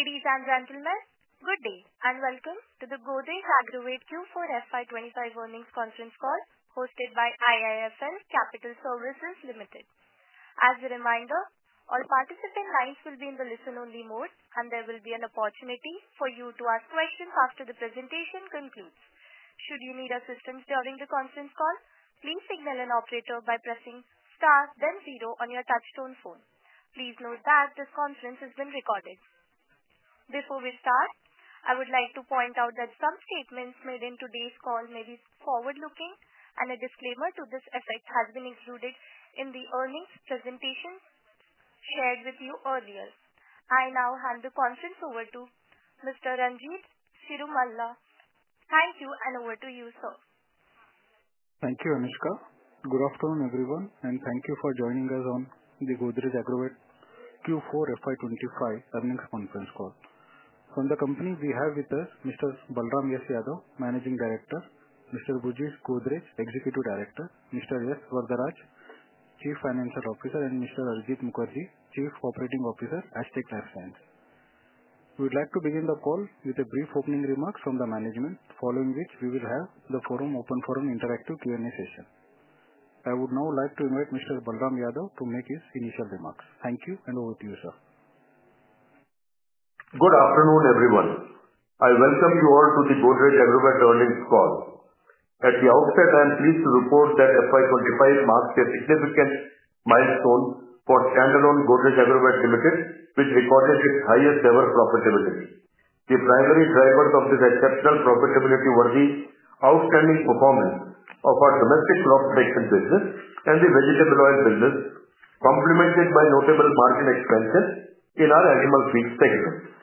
Ladies and gentlemen, good day and welcome to the Godrej Agrovet Q4 FY 2025 earnings conference call hosted by IIFL Capital Services Limited. As a reminder, all participant lines will be in the listen-only mode, and there will be an opportunity for you to ask questions after the presentation concludes. Should you need assistance during the conference call, please signal an operator by pressing star, then zero on your touch-tone phone. Please note that this conference has been recorded. Before we start, I would like to point out that some statements made in today's call may be forward-looking, and a disclaimer to this effect has been included in the earnings presentation shared with you earlier. I now hand the conference over to Mr. Ranjit Cirumalla. Thank you, and over to you, sir. Thank you, Anushka. Good afternoon, everyone, and thank you for joining us on the Godrej Agrovet Q4 FY 2025 earnings conference call. From the company, we have with us Mr. Balram Yadav, Managing Director; Mr. Burjis Godrej, Executive Director; Mr. S. Varadaraj, Chief Financial Officer; and Mr. Arijit Mukherjee, Chief Operating Officer, Astec LifeSciences. We would like to begin the call with brief opening remarks from the management, following which we will have the forum open for an interactive Q&A session. I would now like to invite Mr. Balram Yadav to make his initial remarks. Thank you, and over to you, sir. Good afternoon, everyone. I welcome you all to the Godrej Agrovet earnings call. At the outset, I am pleased to report that 2025 marks a significant milestone for standalone Godrej Agrovet Limited, which recorded its highest-ever profitability. The primary drivers of this exceptional profitability were the outstanding performance of our domestic crop protection business and the vegetable oil business, complemented by notable margin expansion in our animal feed segment.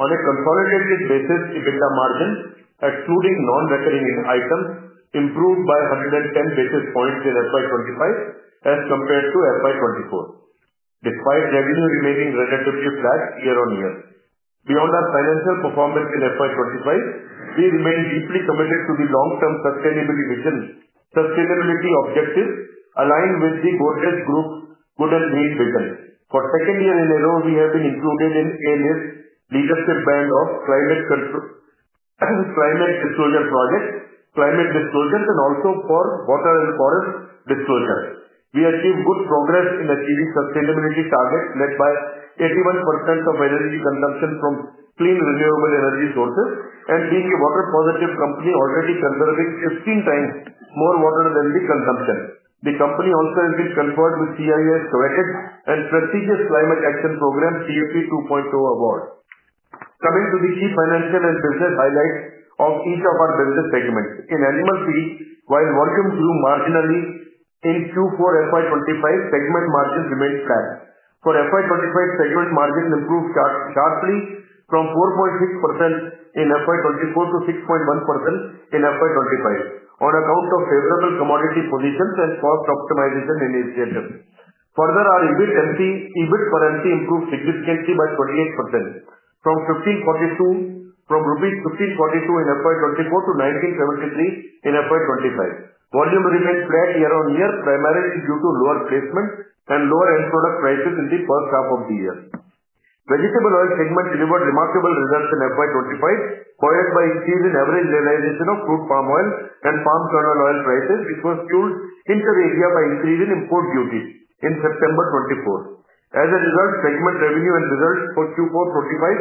On a consolidated basis, EBITDA margin, excluding non-recurring items, improved by 110 basis points in 2025 as compared to 2024, despite revenue remaining relatively flat year-on-year. Beyond our financial performance in 2025, we remain deeply committed to the long-term sustainability objectives aligned with the Godrej Group's good and green vision. For the second year in a row, we have been included in ALA's leadership band of climate disclosure projects, climate disclosures, and also for water and forest disclosures. We achieved good progress in achieving sustainability targets led by 81% of energy consumption from clean renewable energy sources and being a water-positive company, already conserving 15 times more water than we consume. The company also has been conferred with CII's coveted and prestigious Climate Action Program CFP 2.0 award. Coming to the key financial and business highlights of each of our business segments, in animal feed, while volumes grew marginally in Q4 FY 2025, segment margins remained flat. For FY 2025, segment margins improved sharply from 4.6% in FY 2024 to 6.1% in FY 2025 on account of favorable commodity positions and cost optimization initiatives. Further, our EBIT per employee improved significantly by 28% from 1,542 in FY 2024 to 1,973 in FY 2025. Volume remained flat year-on-year, primarily due to lower placement and lower end product prices in the first half of the year. Vegetable oil segment delivered remarkable results in FY 2025, followed by an increase in average realization of crude palm oil and palm kernel oil prices, which was fueled in the area by an increase in import duties in September 2024. As a result, segment revenue and results for Q4 FY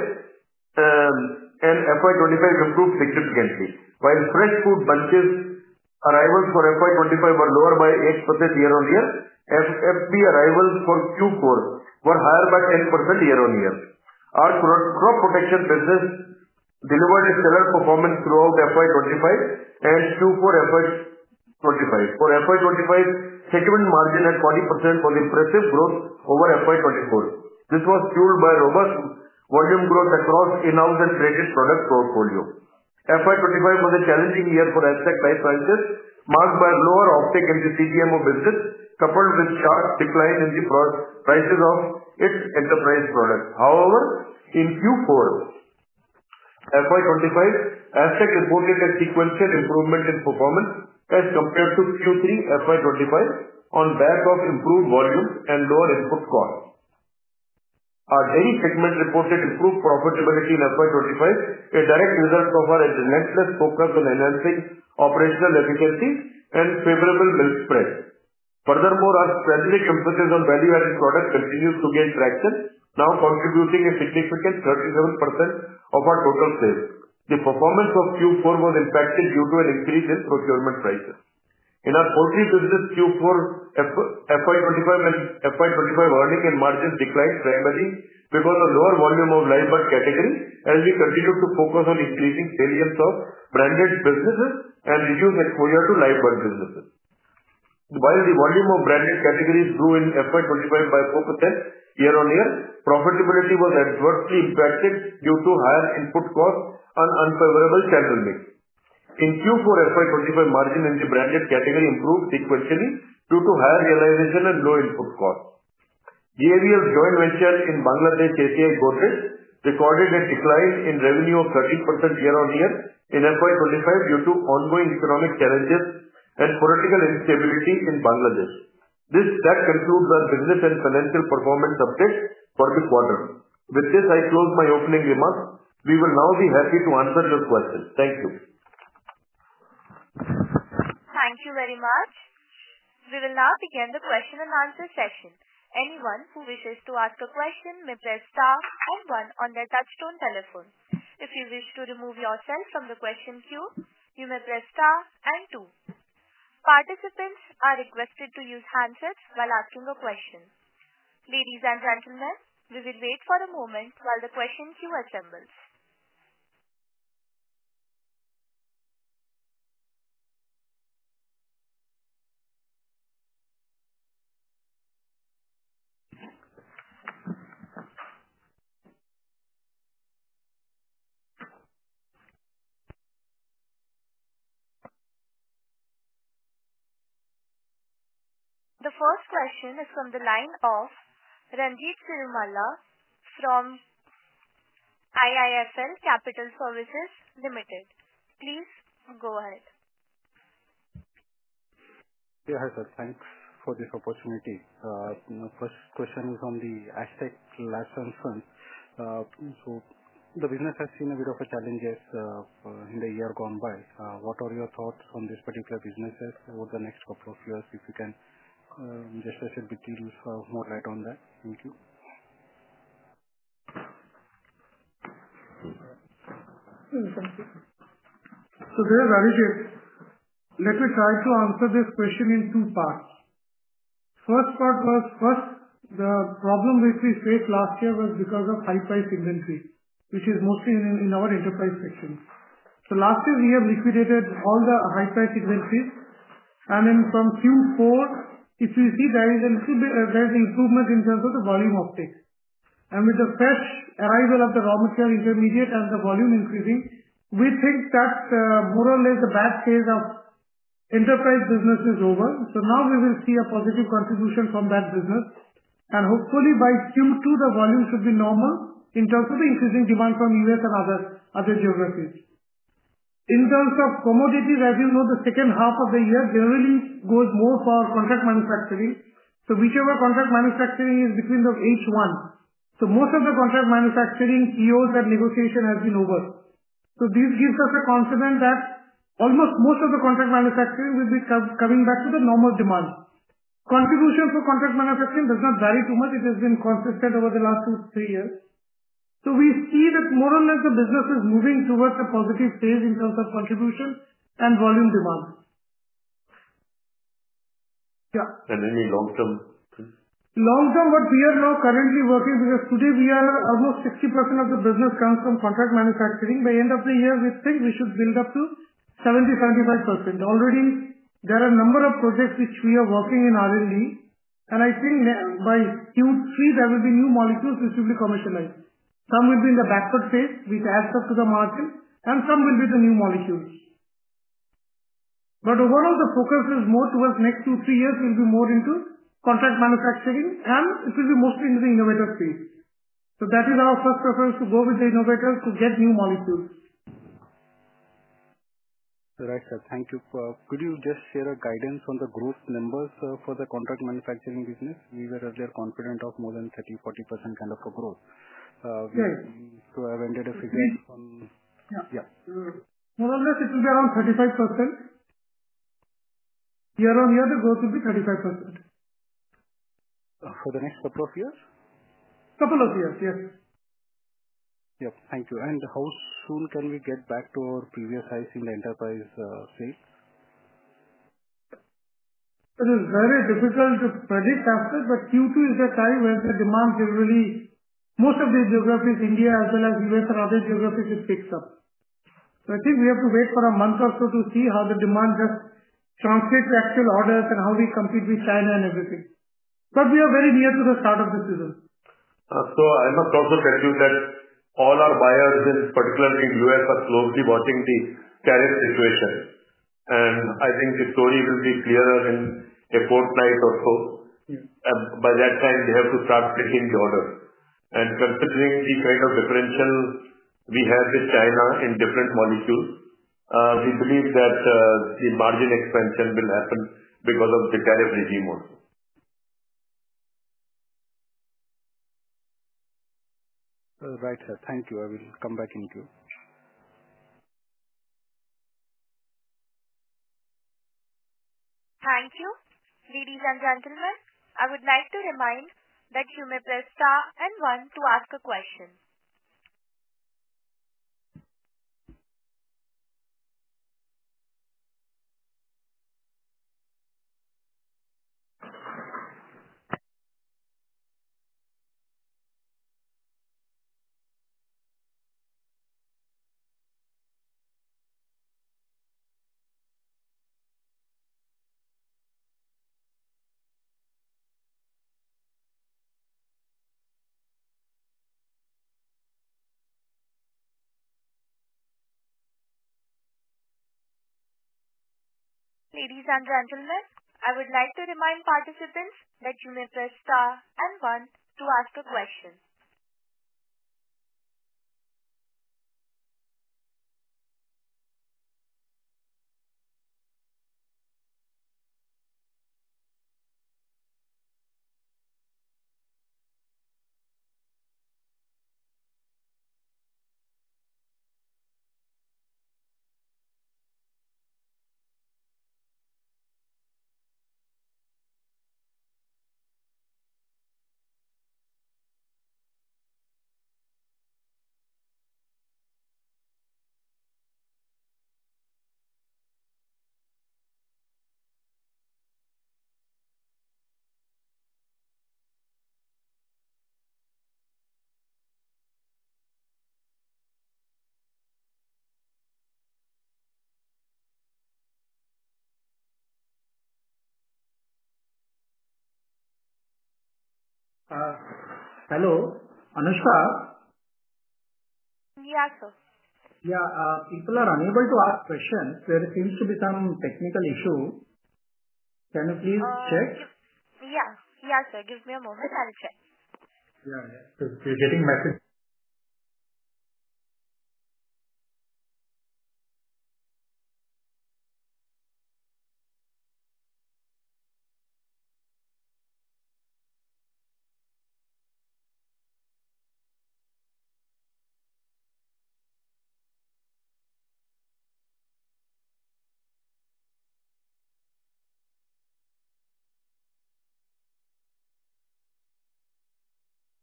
2025 and FY 2025 improved significantly, while fresh fruit bunches' arrivals for FY 2025 were lower by 8% year-on-year. FFB arrivals for Q4 were higher by 10% year-on-year. Our crop protection business delivered stellar performance throughout FY 2025 and Q4 FY 2025. For FY 2025, segment margin at 40% was impressive growth over FY 2024. This was fueled by robust volume growth across in-house and traded product portfolio. FY 2025 was a challenging year for Astec LifeSciences, marked by a lower offtakes in the CDMO business, coupled with a sharp decline in the prices of its enterprise products. However, in Q4 FY 2025, Astec reported a sequential improvement in performance as compared to Q3 FY 2025 on the back of improved volume and lower input costs. Our dairy segment reported improved profitability in FY 2025, a direct result of our relentless focus on enhancing operational efficiency and favorable milk spread. Furthermore, our strategic emphasis on value-added products continues to gain traction, now contributing a significant 37% of our total sales. The performance of Q4 was impacted due to an increase in procurement prices. In our poultry business, Q4 FY 2025 and FY 2025 earnings and margins declined primarily because of the lower volume of live bird category, as we continued to focus on increasing salience of branded businesses and reduce exposure to live bird businesses. While the volume of branded categories grew in FY 2025 by 4% year-on-year, profitability was adversely impacted due to higher input costs and unfavorable channel mix. In Q4 FY 2025, margin in the branded category improved sequentially due to higher realization and low input costs. Godrej Agrovet's joint venture in Bangladesh, ACI Godrej, recorded a decline in revenue of 13% year-on-year in FY 2025 due to ongoing economic challenges and political instability in Bangladesh. This concludes our business and financial performance update for the quarter. With this, I close my opening remarks. We will now be happy to answer your questions. Thank you. Thank you very much. We will now begin the question and answer session. Anyone who wishes to ask a question may press star and one on their touch-tone telephone. If you wish to remove yourself from the question queue, you may press star and two. Participants are requested to use handsets while asking a question. Ladies and gentlemen, we will wait for a moment while the question queue assembles. The first question is from the line of Ranjit Cirumalla from IIFL Capital Services Limited. Please go ahead. Yes, sir. Thanks for this opportunity. The first question is on the Astec LifeSciences. The business has seen a bit of a challenge in the year gone by. What are your thoughts on this particular business over the next couple of years if you can just shed a bit more light on that? Thank you. Thank you. There is, Arijit. Let me try to answer this question in two parts. The first part was, first, the problem which we faced last year was because of high-priced inventory, which is mostly in our enterprise section. Last year, we have liquidated all the high-priced inventories. From Q4, if you see, there is a little bit of improvement in terms of the volume uptake. With the fresh arrival of the raw material intermediate and the volume increasing, we think that more or less the bad phase of enterprise business is over. We will see a positive contribution from that business. Hopefully, by Q2, the volume should be normal in terms of the increasing demand from the U.S. and other geographies. In terms of commodities, as you know, the second half of the year generally goes more for contract manufacturing. Whichever contract manufacturing is between the H1, most of the contract manufacturing POs and negotiation has been over. This gives us confidence that almost most of the contract manufacturing will be coming back to the normal demand. Contribution for contract manufacturing does not vary too much. It has been consistent over the last two, three years. We see that more or less the business is moving towards a positive phase in terms of contribution and volume demand. Yeah. Any long-term? Long-term, what we are now currently working because today, almost 60% of the business comes from contract manufacturing. By the end of the year, we think we should build up to 70%-75%. Already, there are a number of projects which we are working in R&D. I think by Q3, there will be new molecules which will be commercialized. Some will be in the backward phase which adds up to the margin, and some will be the new molecules. Overall, the focus is more towards the next 2-3 years will be more into contract manufacturing, and it will be mostly in the innovator space. That is our first preference to go with the innovators to get new molecules. Right, sir. Thank you. Could you just share a guidance on the growth numbers for the contract manufacturing business? We were earlier confident of more than 30%-40% kind of a growth. We have entered a phase on. Yeah. Yeah. More or less, it will be around 35%. Year-on-year, the growth will be 35%. For the next couple of years? Couple of years, yes. Thank you. How soon can we get back to our previous highs in the enterprise sales? It is very difficult to predict, Aster, but Q2 is the time when the demand generally, most of the geographies, India, as well as U.S. and other geographies, it picks up. I think we have to wait for a month or so to see how the demand just translates to actual orders and how we compete with China and everything. We are very near to the start of the season. I must also tell you that all our buyers, particularly in the U.S., are closely watching the tariff situation. I think the story will be clearer in a fortnight or so. By that time, they have to start taking the orders. Considering the kind of differential we have with China in different molecules, we believe that the margin expansion will happen because of the tariff regime also. Right, sir. Thank you. I will come back in queue. Thank you. Ladies and gentlemen, I would like to remind that you may press star and one to ask a question. Ladies and gentlemen, I would like to remind participants that you may press star and one to ask a question. Hello. Anushka? Yes, sir. Yeah. People are unable to ask questions. There seems to be some technical issue. Can you please check? Yeah. Yes, sir. Give me a moment. I'll check. Yeah, yeah. You're getting messages.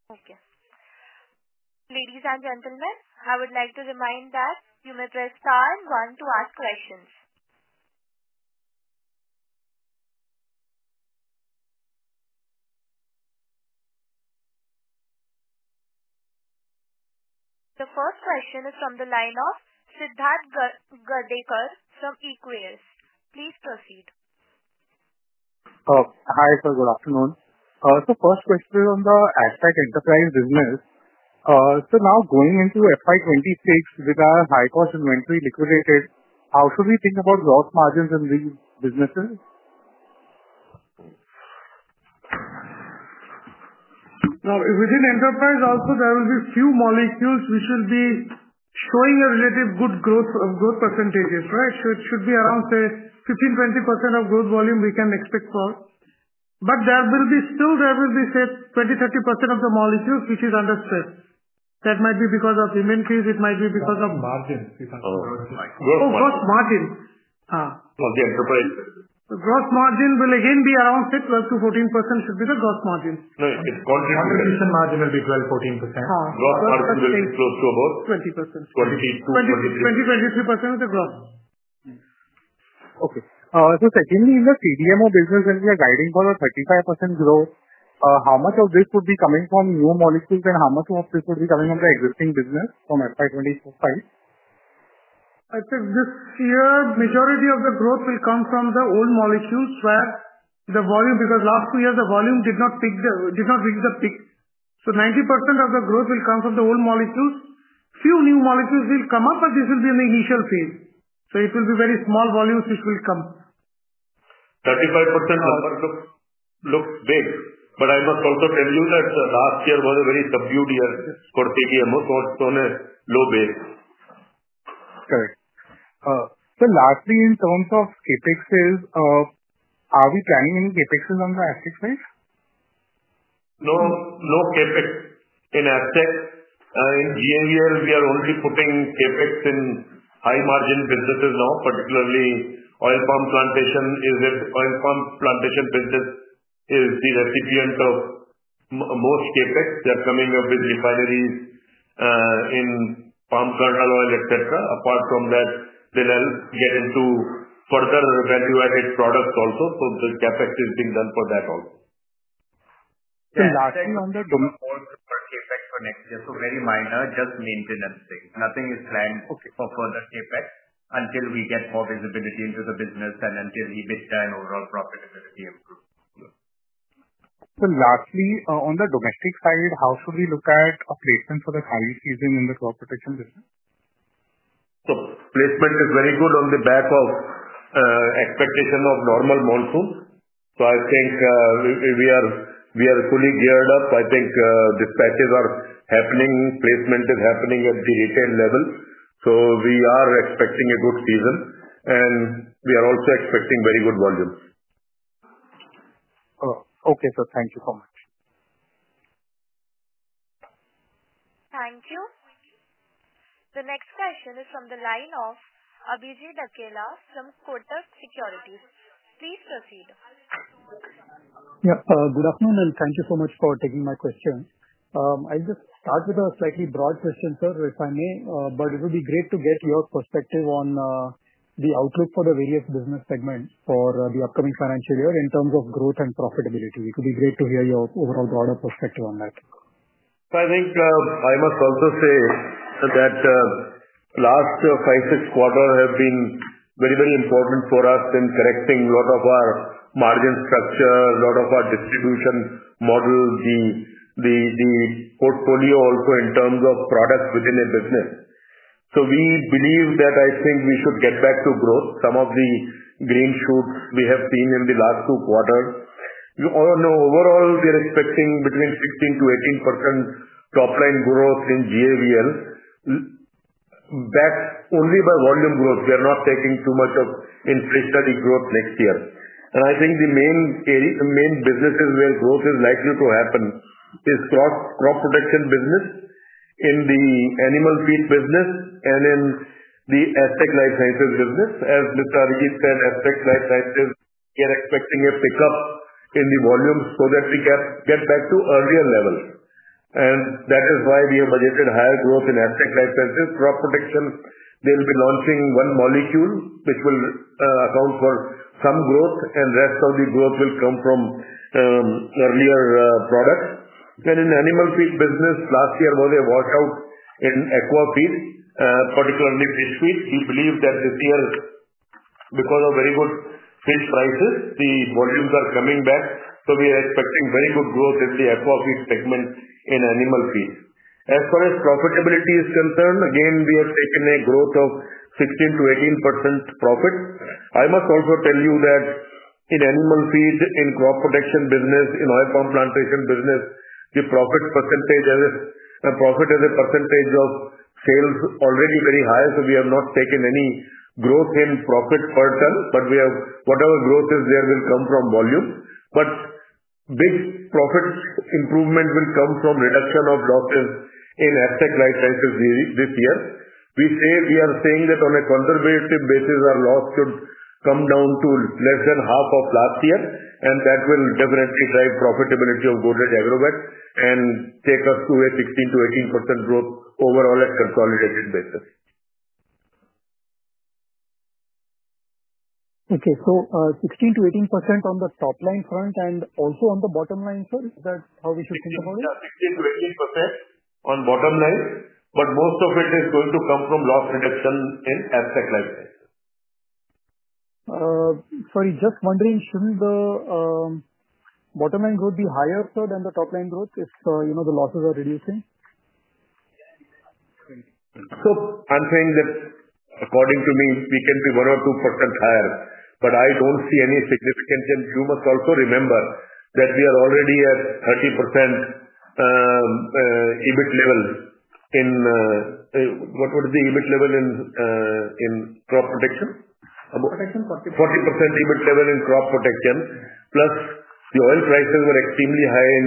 Okay. Ladies and gentlemen, I would like to remind that you may press star and 1 to ask questions. The first question is from the line of Siddharth Gadekar from Equirus. Please proceed. Hi, sir. Good afternoon. First question is on the Astec enterprise business. Now going into FY 2026, with our high-cost inventory liquidated, how should we think about loss margins in these businesses? Now, within enterprise, also, there will be few molecules which will be showing a relative good growth percentages, right? It should be around, say, 15%-20% of growth volume we can expect for. There will be still, there will be, say, 20%-30% of the molecules which is under stress. That might be because of inventories. It might be because of. Growth margins. Oh, growth margins. Of the enterprise. Growth margin will again be around, say, 12%-14% should be the growth margin. No, it's contribution. Contribution margin will be 12%-14%. Growth margin will be close to about. 20%. 20, 23% of the growth. Okay. Secondly, in the CDMO business, we are guiding for a 35% growth. How much of this would be coming from new molecules, and how much of this would be coming from the existing business from FY 2025? I think this year, the majority of the growth will come from the old molecules where the volume because last two years, the volume did not reach the peak. 90% of the growth will come from the old molecules. Few new molecules will come up, but this will be in the initial phase. It will be very small volumes which will come. 35% looks big. I must also tell you that last year was a very subdued year for CDMO, so on a low base. Correct. Lastly, in terms of CapExes, are we planning any capexes on the Aztec side? No CapEx in Astec. In GAVL, we are only putting CapEx in high-margin businesses now, particularly oil palm plantation. Oil palm plantation business is the recipient of most capex. They're coming up with refineries in palm kernel oil, etc. Apart from that, they'll get into further value-added products also. The CapEx is being done for that also. Lastly, on the domestic CapEx for next year, very minor, just maintenance things. Nothing is planned for further CapEx until we get more visibility into the business and until mid-term overall profitability improves. Lastly, on the domestic side, how should we look at our placement for the curry season in the crop protection business? Placement is very good on the back of expectation of normal monsoon. I think we are fully geared up. I think dispatches are happening. Placement is happening at the retail level. We are expecting a good season, and we are also expecting very good volumes. Okay, sir. Thank you so much. Thank you. The next question is from the line of Abhijit Akella from Kotak Securities. Please proceed. Yeah. Good afternoon, and thank you so much for taking my question. I'll just start with a slightly broad question, sir, if I may, but it would be great to get your perspective on the outlook for the various business segments for the upcoming financial year in terms of growth and profitability. It would be great to hear your overall broader perspective on that. I think I must also say that last 5-6 quarters have been very, very important for us in correcting a lot of our margin structure, a lot of our distribution model, the portfolio also in terms of products within a business. We believe that I think we should get back to growth. Some of the green shoots we have seen in the last two quarters. Overall, we are expecting between 15%-18% top-line growth in GAVL, backed only by volume growth. We are not taking too much of inflationary growth next year. I think the main businesses where growth is likely to happen is crop protection business, in the animal feed business, and in the Astec LifeSciences business. As Mr. Arijit Mukherjee said, Astec LifeSciences, we are expecting a pickup in the volume so that we get back to earlier levels. That is why we have budgeted higher growth in Astec LifeSciences. Crop protection, they'll be launching one molecule which will account for some growth, and the rest of the growth will come from earlier products. In animal feed business, last year was a washout in aqua feed, particularly fish feed. We believe that this year, because of very good fish prices, the volumes are coming back. We are expecting very good growth in the aqua feed segment in animal feed. As far as profitability is concerned, again, we have taken a growth of 16%-18% profit. I must also tell you that in animal feed, in crop protection business, in oil palm plantation business, the profit as a percentage of sales is already very high. We have not taken any growth in profit per term, but whatever growth is there will come from volume. Big profit improvement will come from reduction of losses in Astec LifeSciences this year. We are saying that on a conservative basis, our loss should come down to less than half of last year, and that will definitely drive profitability of Godrej Agrovet and take us to a 16%-18% growth overall at consolidated basis. Okay. So 16-18% on the top-line front and also on the bottom line, sir? Is that how we should think about it? Yeah, 16-18% on bottom line, but most of it is going to come from loss reduction in Astec LifeSciences. Sorry, just wondering, shouldn't the bottom line growth be higher, sir, than the top-line growth if the losses are reducing? I'm saying that, according to me, we can be 1% or 2% higher, but I don't see any significant change. You must also remember that we are already at 30% EBIT level in what was the EBIT level in crop protection? Protection, 40%. 40% EBIT level in crop protection, plus the oil prices were extremely high in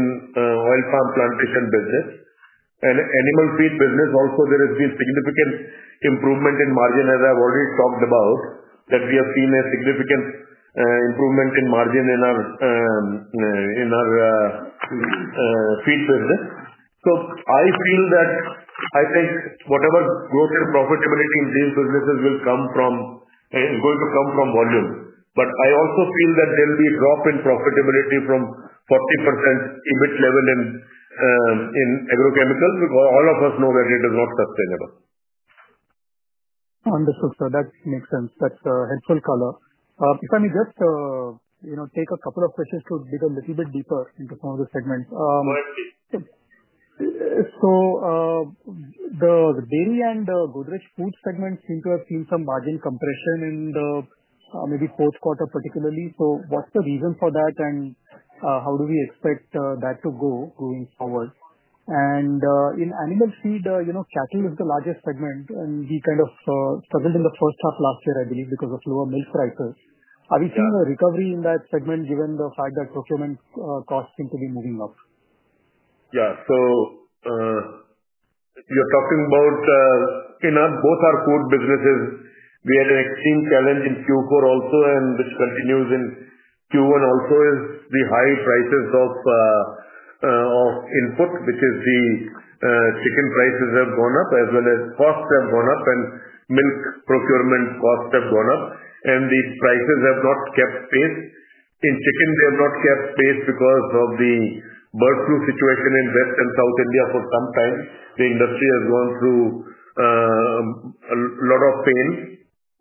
oil palm plantation business and animal feed business. Also, there has been significant improvement in margin, as I've already talked about, that we have seen a significant improvement in margin in our feed business. I feel that I think whatever growth and profitability in these businesses will come from is going to come from volume. I also feel that there will be a drop in profitability from 40% EBIT level in agrochemicals because all of us know that it is not sustainable. Understood, sir. That makes sense. That's a helpful color. If I may just take a couple of questions to dig a little bit deeper into some of the segments. Go ahead, please. The dairy and Godrej food segments seem to have seen some margin compression in the maybe fourth quarter, particularly. What is the reason for that, and how do we expect that to go going forward? In animal feed, cattle is the largest segment, and we kind of struggled in the first half last year, I believe, because of lower milk prices. Have you seen a recovery in that segment given the fact that procurement costs seem to be moving up? Yeah. You are talking about in both our food businesses, we had an extreme challenge in Q4 also, which continues in Q1 also, which is the high prices of input, which is the chicken prices have gone up, as well as costs have gone up, and milk procurement costs have gone up. The prices have not kept pace. In chicken, they have not kept pace because of the bird flu situation in West and South India for some time. The industry has gone through a lot of pain,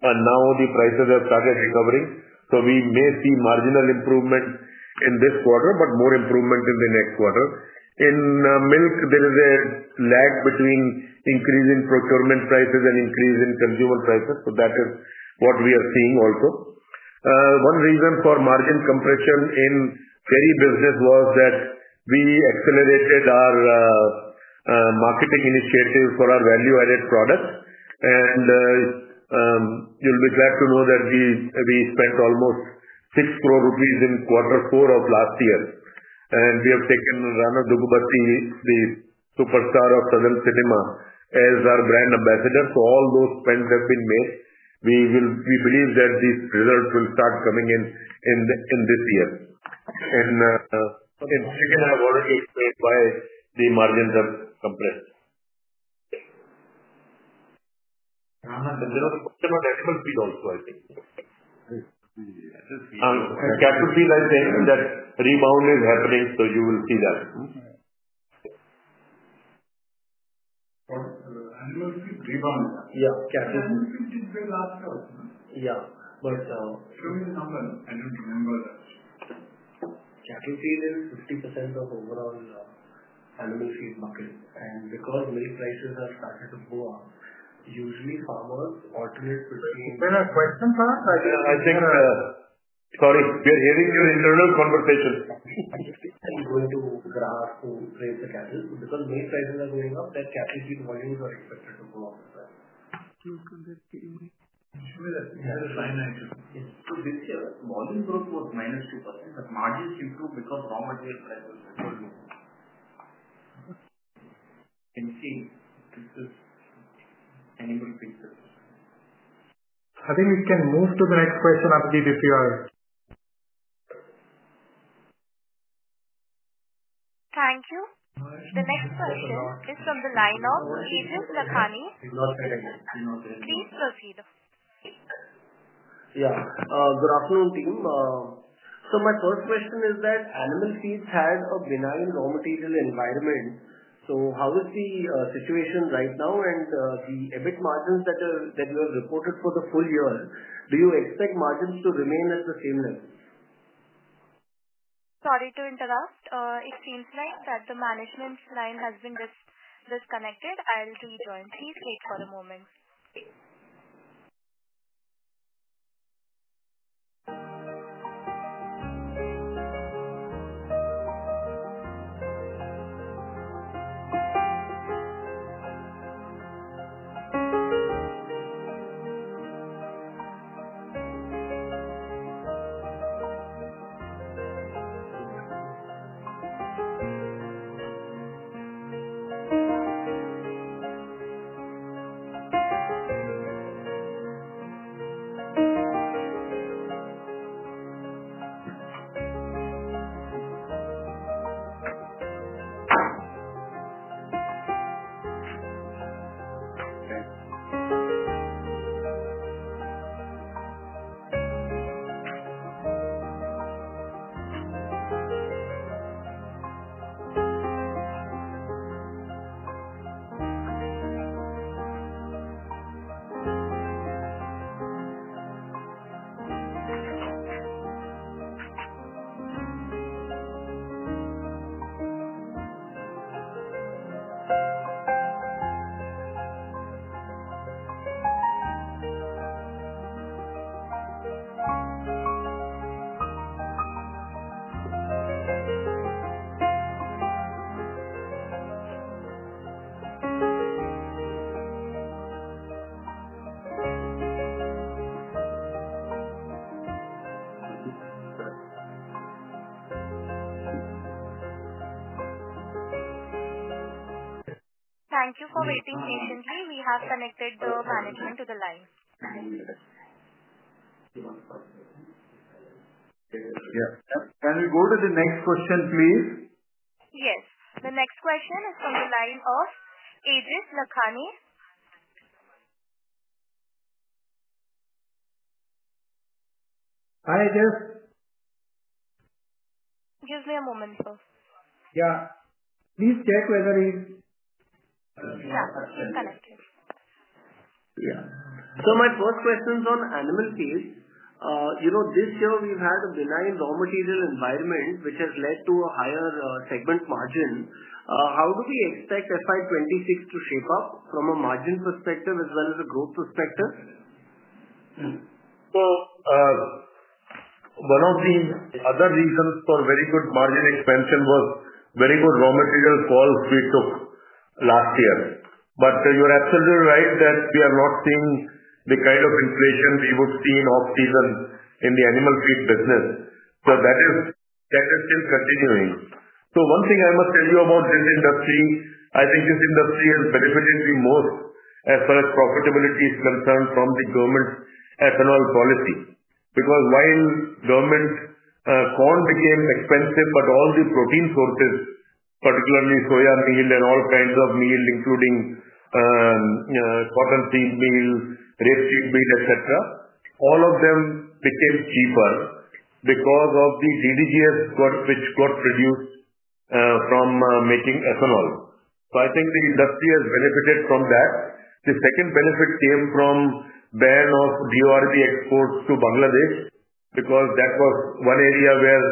and now the prices have started recovering. We may see marginal improvement in this quarter, but more improvement in the next quarter. In milk, there is a lag between increase in procurement prices and increase in consumer prices. That is what we are seeing also. One reason for margin compression in dairy business was that we accelerated our marketing initiatives for our value-added products. You will be glad to know that we spent almost 6 crore rupees in quarter four of last year. We have taken Rana Daggubati, the superstar of Southern cinema, as our brand ambassador. All those spends have been made. We believe that these results will start coming in this year. Chicken has already explained why the margins have compressed. Rana did not mention about animal feed also, I think. Cat food feed, I think that rebound is happening, so you will see that. Animal feed rebound is happening. Yeah. Animal feed is well after, no? Yeah, but show me the number. I don't remember that. Cattle feed is 50% of overall animal feed bucket. Because milk prices have started to go up, usually farmers alternate between. There are questions, sir. I think, sorry, we are hearing your internal conversation. Are you going to grass to raise the cattle? Because milk prices are going up, that cattle feed volumes are expected to go up as well. Show me that line item. This year, volume growth was -2%, but margins improved because raw material prices have gone up. I can see this is animal feed business. I think we can move to the next question, Abhijit, if you are. Thank you. The next question is from the line of Aejas Lakhani. Please proceed. Yeah. Good afternoon, team. My first question is that animal feeds had a benign raw material environment. How is the situation right now? The EBIT margins that you have reported for the full year, do you expect margins to remain at the same level? Sorry to interrupt. It seems like the management line has been disconnected. I'll rejoin. Please wait for a moment. Thank you for waiting patiently. We have connected the management to the line. Can we go to the next question, please? Yes. The next question is from the line of Aejas Lakhani. Hi, Aejas. Give me a moment, sir. Yeah. Please check whether he is. Yeah. Connected. Yeah. My first question is on animal feed. This year, we've had a benign raw material environment, which has led to a higher segment margin. How do we expect FY 2026 to shape up from a margin perspective as well as a growth perspective? One of the other reasons for very good margin expansion was very good raw material calls we took last year. You're absolutely right that we are not seeing the kind of inflation we would see in off-season in the animal feed business. That is still continuing. One thing I must tell you about this industry, I think this industry has benefited the most as far as profitability is concerned from the government's ethanol policy. Because while government corn became expensive, all the protein sources, particularly soya meal and all kinds of meal, including cotton seed meal, rapeseed meal, etc., all of them became cheaper because of the DDGS, which got produced from making ethanol. I think the industry has benefited from that. The second benefit came from ban of DORB exports to Bangladesh because that was one area where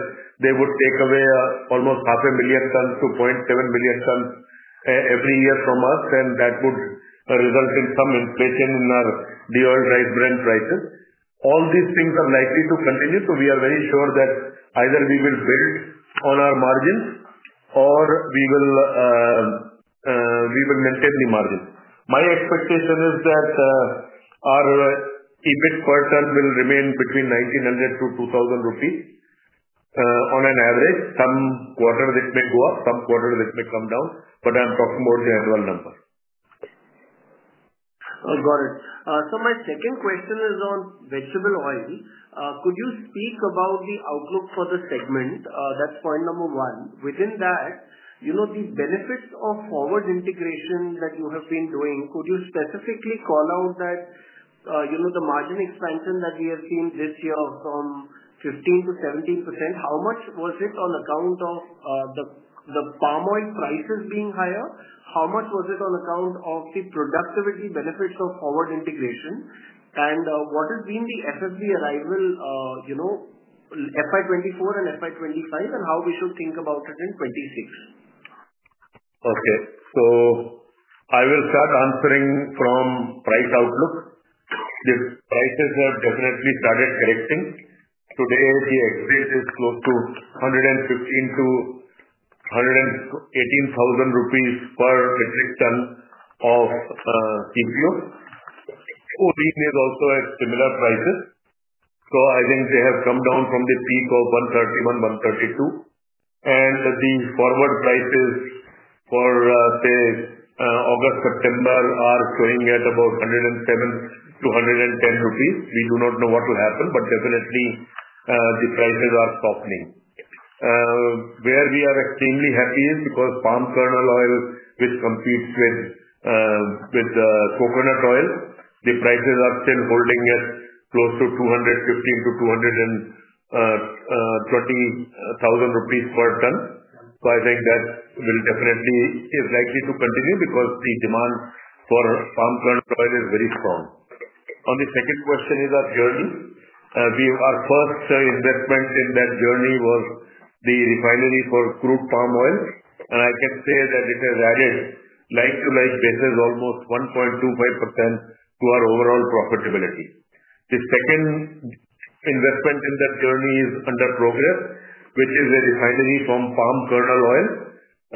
they would take away almost 500,000 tons to 700,000 tons every year from us, and that would result in some inflation in our DORB brand prices. All these things are likely to continue. We are very sure that either we will build on our margins or we will maintain the margins. My expectation is that our EBIT per ton will remain between 1,900-2,000 rupees on an average. Some quarters it may go up, some quarters it may come down, but I am talking more the annual number. Got it. My second question is on vegetable oil. Could you speak about the outlook for the segment? That is point number one. Within that, the benefits of forward integration that you have been doing, could you specifically call out that the margin expansion that we have seen this year from 15%-17%, how much was it on account of the palm oil prices being higher? How much was it on account of the productivity benefits of forward integration? What has been the FFB arrival, FY 2024 and FY 2025, and how should we think about it in 2026? Okay. I will start answering from price outlook. The prices have definitely started correcting. Today, the exit is close to 115,000-118,000 rupees per metric ton of CPO. Oil is also at similar prices. I think they have come down from the peak of 131,000, 132,000. The forward prices for, say, August, September are showing at about 107,000-110,000 rupees. We do not know what will happen, but definitely the prices are softening. Where we are extremely happy is because palm kernel oil, which competes with coconut oil, the prices are still holding at close to 215,000-220,000 rupees per ton. I think that will definitely is likely to continue because the demand for palm kernel oil is very strong. On the second question is our journey. Our first investment in that journey was the refinery for crude palm oil. I can say that it has added, like-to-like basis, almost 1.25% to our overall profitability. The second investment in that journey is under progress, which is a refinery from palm kernel oil.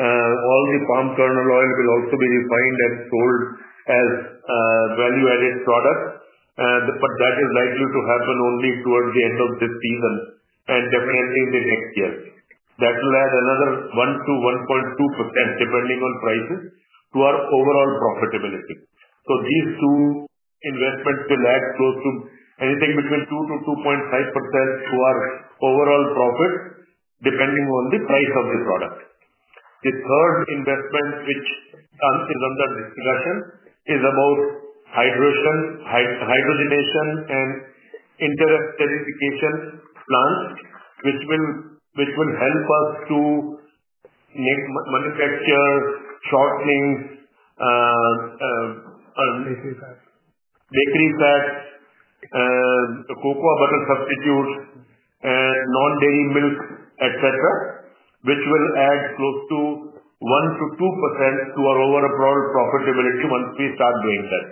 All the palm kernel oil will also be refined and sold as value-added products, but that is likely to happen only towards the end of this season and definitely in the next year. That will add another 1%-1.2%, depending on prices, to our overall profitability. These two investments will add close to anything between 2%-2.5% to our overall profit, depending on the price of the product. The third investment, which is under discussion, is about hydrogen, hydrogenation, and interesterification plants, which will help us to manufacture shortenings. Bakery fats. Bakery fats, cocoa butter substitutes, and non-dairy milk, etc., which will add close to 1-2% to our overall profitability once we start doing that.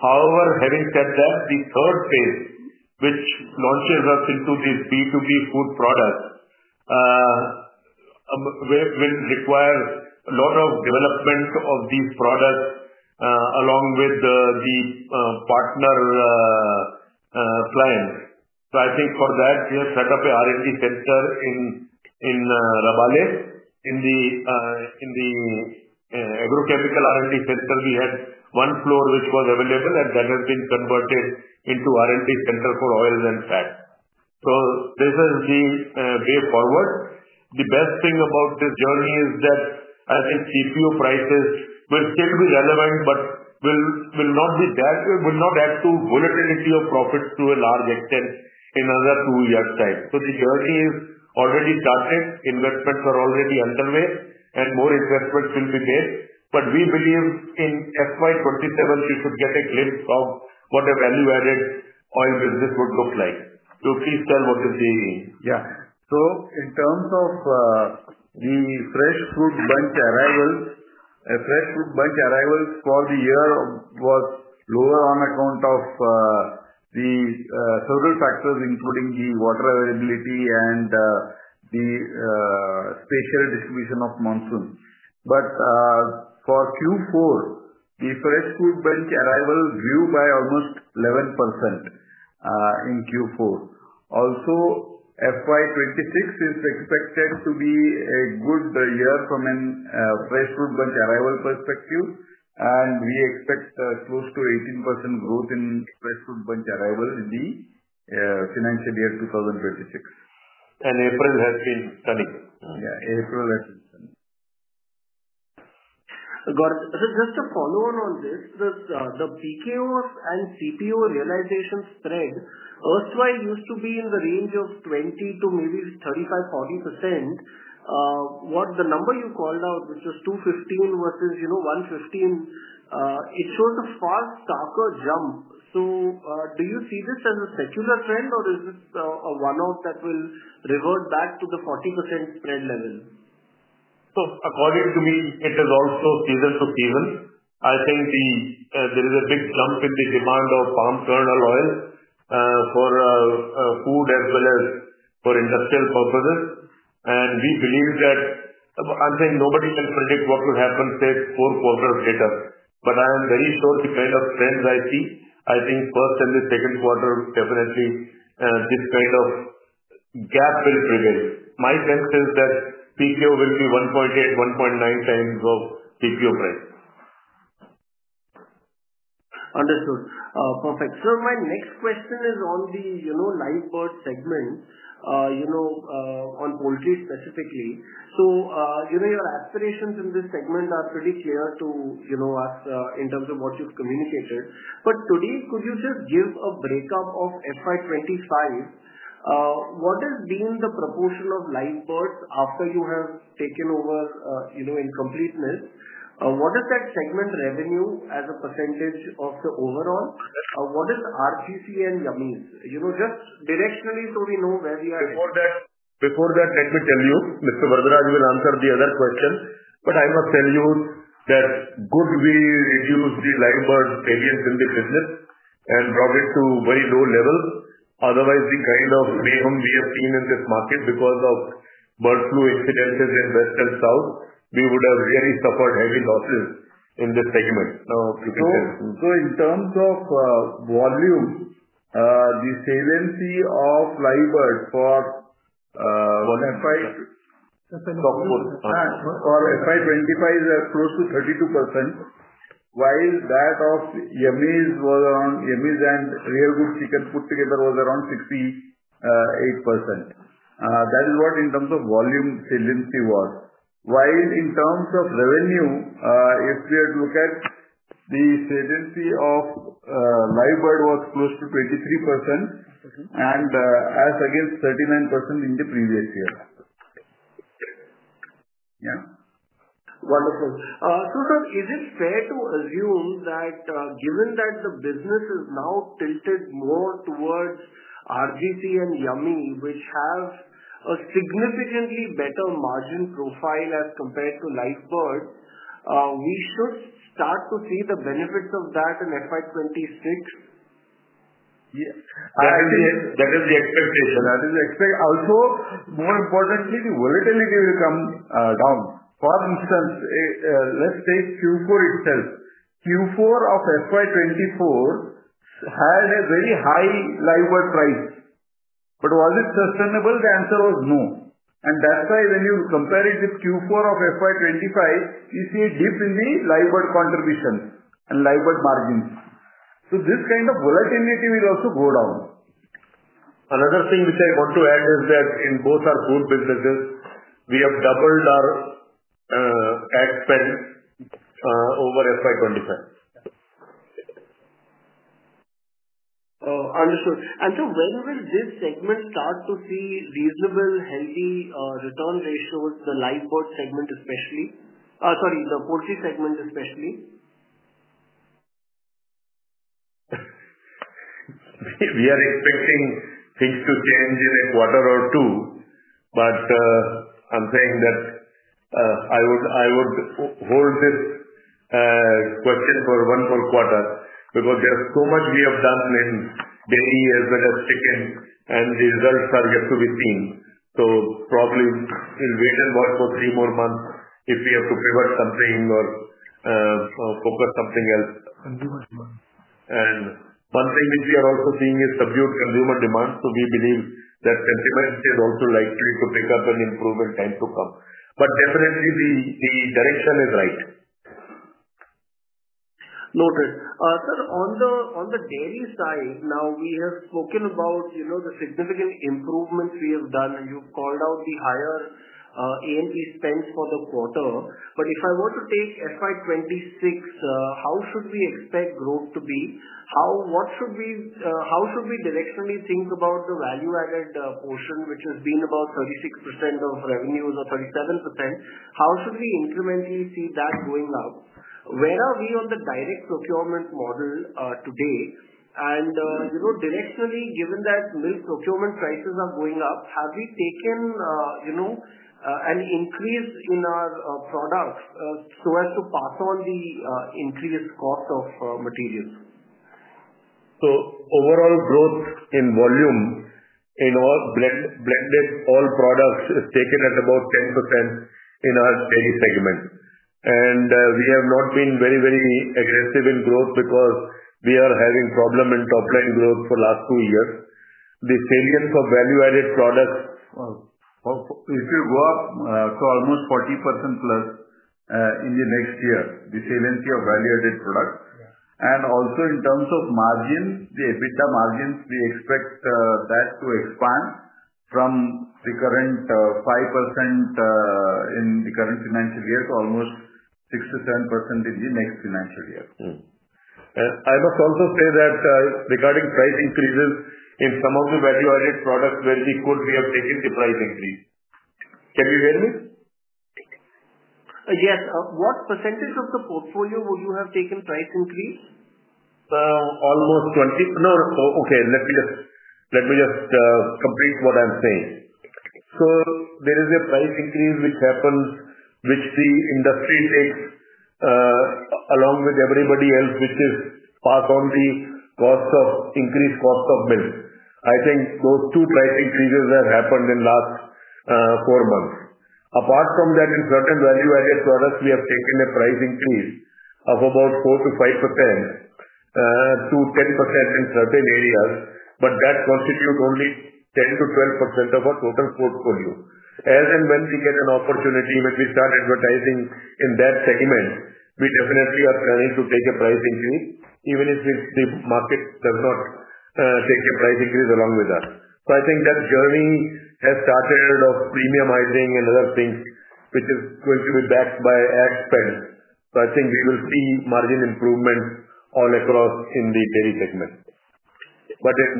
However, having said that, the third phase, which launches us into these B2B food products, will require a lot of development of these products along with the partner clients. I think for that, we have set up an R&D center in Rabale. In the agrochemical R&D center, we had one floor which was available, and that has been converted into R&D center for oils and fats. This is the way forward. The best thing about this journey is that I think CPO prices will still be relevant, but will not add to volatility of profits to a large extent in another two years' time. The journey is already started. Investments are already underway, and more investments will be made. We believe in FY 2027, we should get a glimpse of what a value-added oil business would look like. Please tell what is the. Yeah. In terms of the fresh fruit bunch arrivals, fresh fruit bunch arrivals for the year was lower on account of several factors, including the water availability and the spatial distribution of monsoon. For Q4, the fresh fruit bunch arrival grew by almost 11% in Q4. Also, FY 2026 is expected to be a good year from a fresh fruit bunch arrival perspective, and we expect close to 18% growth in fresh fruit bunch arrival in the financial year 2026. April has been stunning. Yeah. April has been stunning. Got it. Just to follow on this, the PKOs and CPO realization spread, earthwise, used to be in the range of 20%-35%-40%. The number you called out, which was 215,000 versus 115,000, it shows a far stark jump. Do you see this as a secular trend, or is this a one-off that will revert back to the 40% spread level? According to me, it is also season to season. I think there is a big jump in the demand of palm kernel oil for food as well as for industrial purposes. We believe that nobody can predict what will happen, say, four quarters later. I am very sure the kind of trends I see, first and the second quarter, definitely this kind of gap will prevail. My sense is that PKO will be 1.8-1.9 times of CPO price. Understood. Perfect. My next question is on the live bird segment, on poultry specifically. Your aspirations in this segment are pretty clear to us in terms of what you've communicated. Today, could you just give a breakup of FY 2025? What has been the proportion of live birds after you have taken over in completeness? What is that segment revenue as a percentage of the overall? What is RGC and Yummiez? Just directionally, so we know where we are. Before that, let me tell you, Mr. Varadaraj will answer the other question. I must tell you that could we reduce the live bird variance in the business and brought it to a very low level? Otherwise, the kind of mayhem we have seen in this market because of bird flu incidences in West and South, we would have really suffered heavy losses in this segment. Now, you can tell. In terms of volume, the saliency of live birds for FY 2025 is close to 32%, while that of Yummiez and Real Good Chicken put together was around 68%. That is what in terms of volume saliency was. While in terms of revenue, if we had looked at the saliency of live bird, it was close to 23% as against 39% in the previous year. Yeah? Wonderful. Sir, is it fair to assume that given that the business is now tilted more towards RGC and Yummiez, which have a significantly better margin profile as compared to live bird, we should start to see the benefits of that in FY 2026? That is the expectation. That is the expectation. Also, more importantly, the volatility will come down. For instance, let's take Q4 itself. Q4 of FY 2024 had a very high live bird price. Was it sustainable? The answer was no. That is why when you compare it with Q4 of FY 2025, you see a dip in the live bird contribution and live bird margins. This kind of volatility will also go down. Another thing which I want to add is that in both our food businesses, we have doubled our ad spend over FY 2025. Understood. Sir, when will this segment start to see reasonable healthy return ratios, the live bird segment especially? Sorry, the poultry segment especially? We are expecting things to change in a quarter or two, but I'm saying that I would hold this question for one more quarter because there's so much we have done in dairy as well as chicken, and the results are yet to be seen. We will wait and watch for three more months if we have to pivot something or focus something else. One thing which we are also seeing is subdued consumer demand. We believe that sentiment is also likely to pick up and improve in time to come. Definitely, the direction is right. Noted. Sir, on the dairy side, now we have spoken about the significant improvements we have done, and you have called out the higher ANP spend for the quarter. If I were to take FY 2026, how should we expect growth to be? What should we directionally think about the value-added portion, which has been about 36% of revenues or 37%? How should we incrementally see that going up? Where are we on the direct procurement model today? Directionally, given that milk procurement prices are going up, have we taken an increase in our products so as to pass on the increased cost of materials? Overall growth in volume in all blended all products is taken at about 10% in our dairy segment. We have not been very, very aggressive in growth because we are having problem in top-line growth for the last two years. The salience of value-added products. Wow. It will go up to almost 40% plus in the next year, the saliency of value-added products. Also in terms of margins, the EBITDA margins, we expect that to expand from the current 5% in the current financial year to almost 6%-7% in the next financial year. I must also say that regarding price increases in some of the value-added products, where we could, we have taken the price increase. Can you hear me? Yes. What percentage of the portfolio would you have taken price increase? Almost 20. No. Okay. Let me just complete what I'm saying. There is a price increase which happens, which the industry takes along with everybody else, which is pass on the cost of increased cost of milk. I think those two price increases have happened in the last four months. Apart from that, in certain value-added products, we have taken a price increase of about 4%-5% to 10% in certain areas, but that constitutes only 10%-12% of our total portfolio. As and when we get an opportunity, when we start advertising in that segment, we definitely are planning to take a price increase, even if the market does not take a price increase along with us. I think that journey has started of premiumizing and other things, which is going to be backed by ad spend. I think we will see margin improvements all across in the dairy segment. In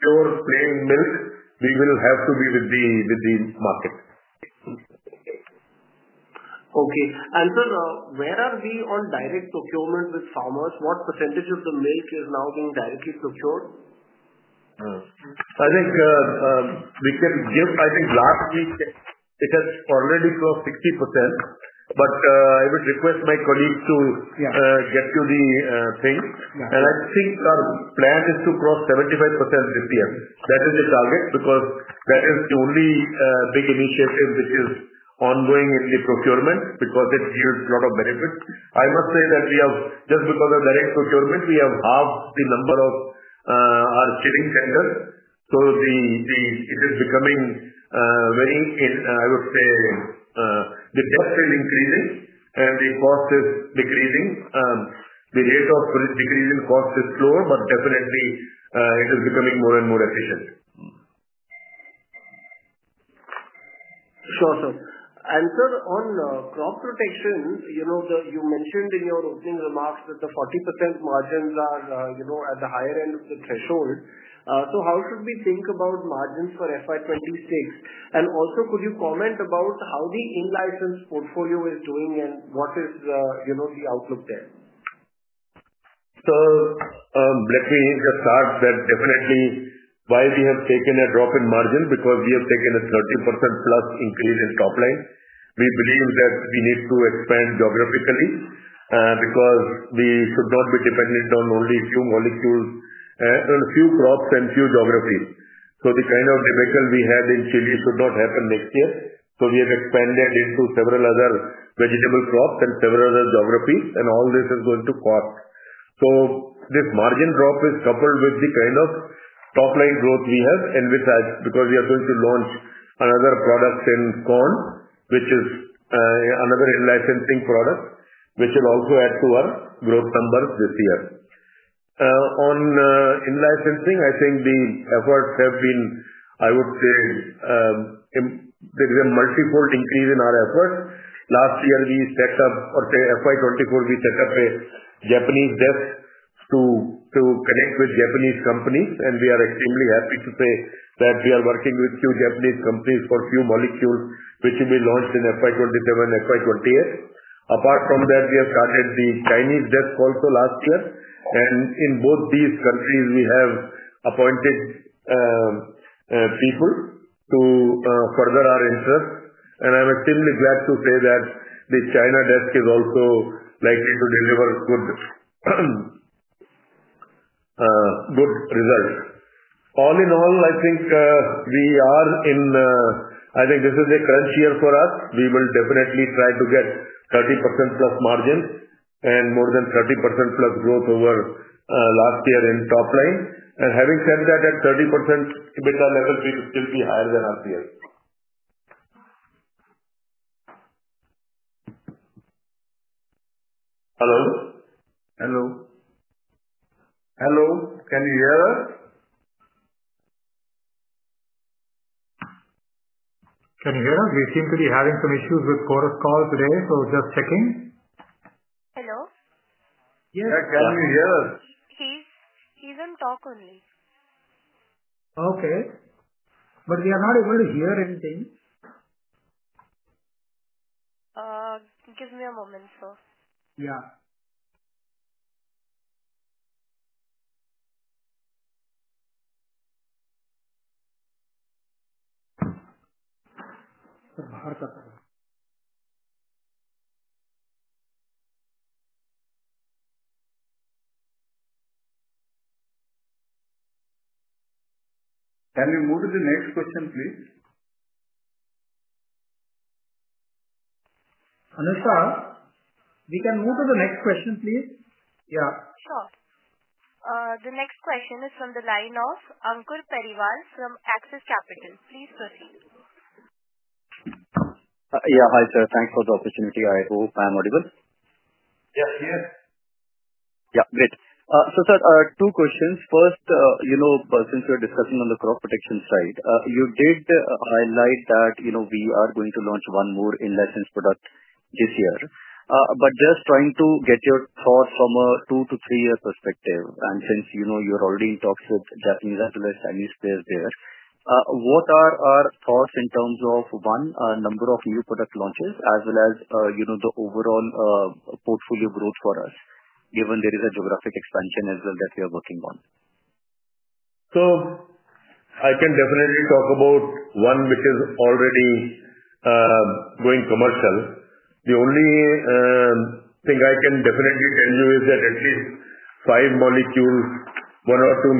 pure plain milk, we will have to be with the market. Okay. Sir, where are we on direct procurement with farmers? What percentage of the milk is now being directly procured? I think we can give, I think last week, it has already crossed 60%, but I would request my colleagues to get to the thing. I think our plan is to cross 75% this year. That is the target because that is the only big initiative which is ongoing in the procurement because it yields a lot of benefits. I must say that we have, just because of direct procurement, halved the number of our chilling centers. It is becoming very, I would say, the depth is increasing and the cost is decreasing. The rate of decreasing cost is slower, but definitely it is becoming more and more efficient. Sure, sir. Sir, on crop protection, you mentioned in your opening remarks that the 40% margins are at the higher end of the threshold. How should we think about margins for FY 2026? Also, could you comment about how the in-license portfolio is doing and what is the outlook there? Sir, let me just add that definitely why we have taken a drop in margin is because we have taken a 30%+ increase in top line. We believe that we need to expand geographically because we should not be dependent on only a few molecules, a few crops, and a few geographies. The kind of debacle we had in Chile should not happen next year. We have expanded into several other vegetable crops and several other geographies, and all this is going to cost. This margin drop is coupled with the kind of top-line growth we have in this because we are going to launch another product in corn, which is another in-licensing product, which will also add to our growth numbers this year. On in-licensing, I think the efforts have been, I would say, there is a multi-fold increase in our efforts. Last year, we set up, or FY 2024, we set up a Japanese desk to connect with Japanese companies, and we are extremely happy to say that we are working with a few Japanese companies for a few molecules, which will be launched in FY 2027, FY 2028. Apart from that, we have started the Chinese desk also last year. In both these countries, we have appointed people to further our interests. I am extremely glad to say that the China desk is also likely to deliver good results. All in all, I think we are in, I think this is a crunch year for us. We will definitely try to get 30%+ margin and more than 30%+ growth over last year in top line. Having said that, at 30% EBITDA level, we will still be higher than last year. Hello? Hello. Hello. Can you hear us? Can you hear us? We seem to be having some issues with ChorusCall today, so just checking. Hello. Yes. Yeah. Can you hear us? He's on talk only. Okay. We are not able to hear anything. Give me a moment, sir. Yeah. Can we move to the next question, please? Anushka, we can move to the next question, please. Yeah. Sure. The next question is from the line of Ankur Periwal from Axis Capital. Please proceed. Yeah. Hi, sir. Thanks for the opportunity. I hope I'm audible. Yes. Yes. Yeah. Great. Sir, two questions. First, since we're discussing on the crop protection side, you did highlight that we are going to launch one more in-license product this year. Just trying to get your thoughts from a two to three-year perspective. Since you're already in talks with Japanese as well as Chinese players there, what are our thoughts in terms of, one, number of new product launches as well as the overall portfolio growth for us, given there is a geographic expansion as well that we are working on? I can definitely talk about one which is already going commercial. The only thing I can definitely tell you is that at least five molecules, one or two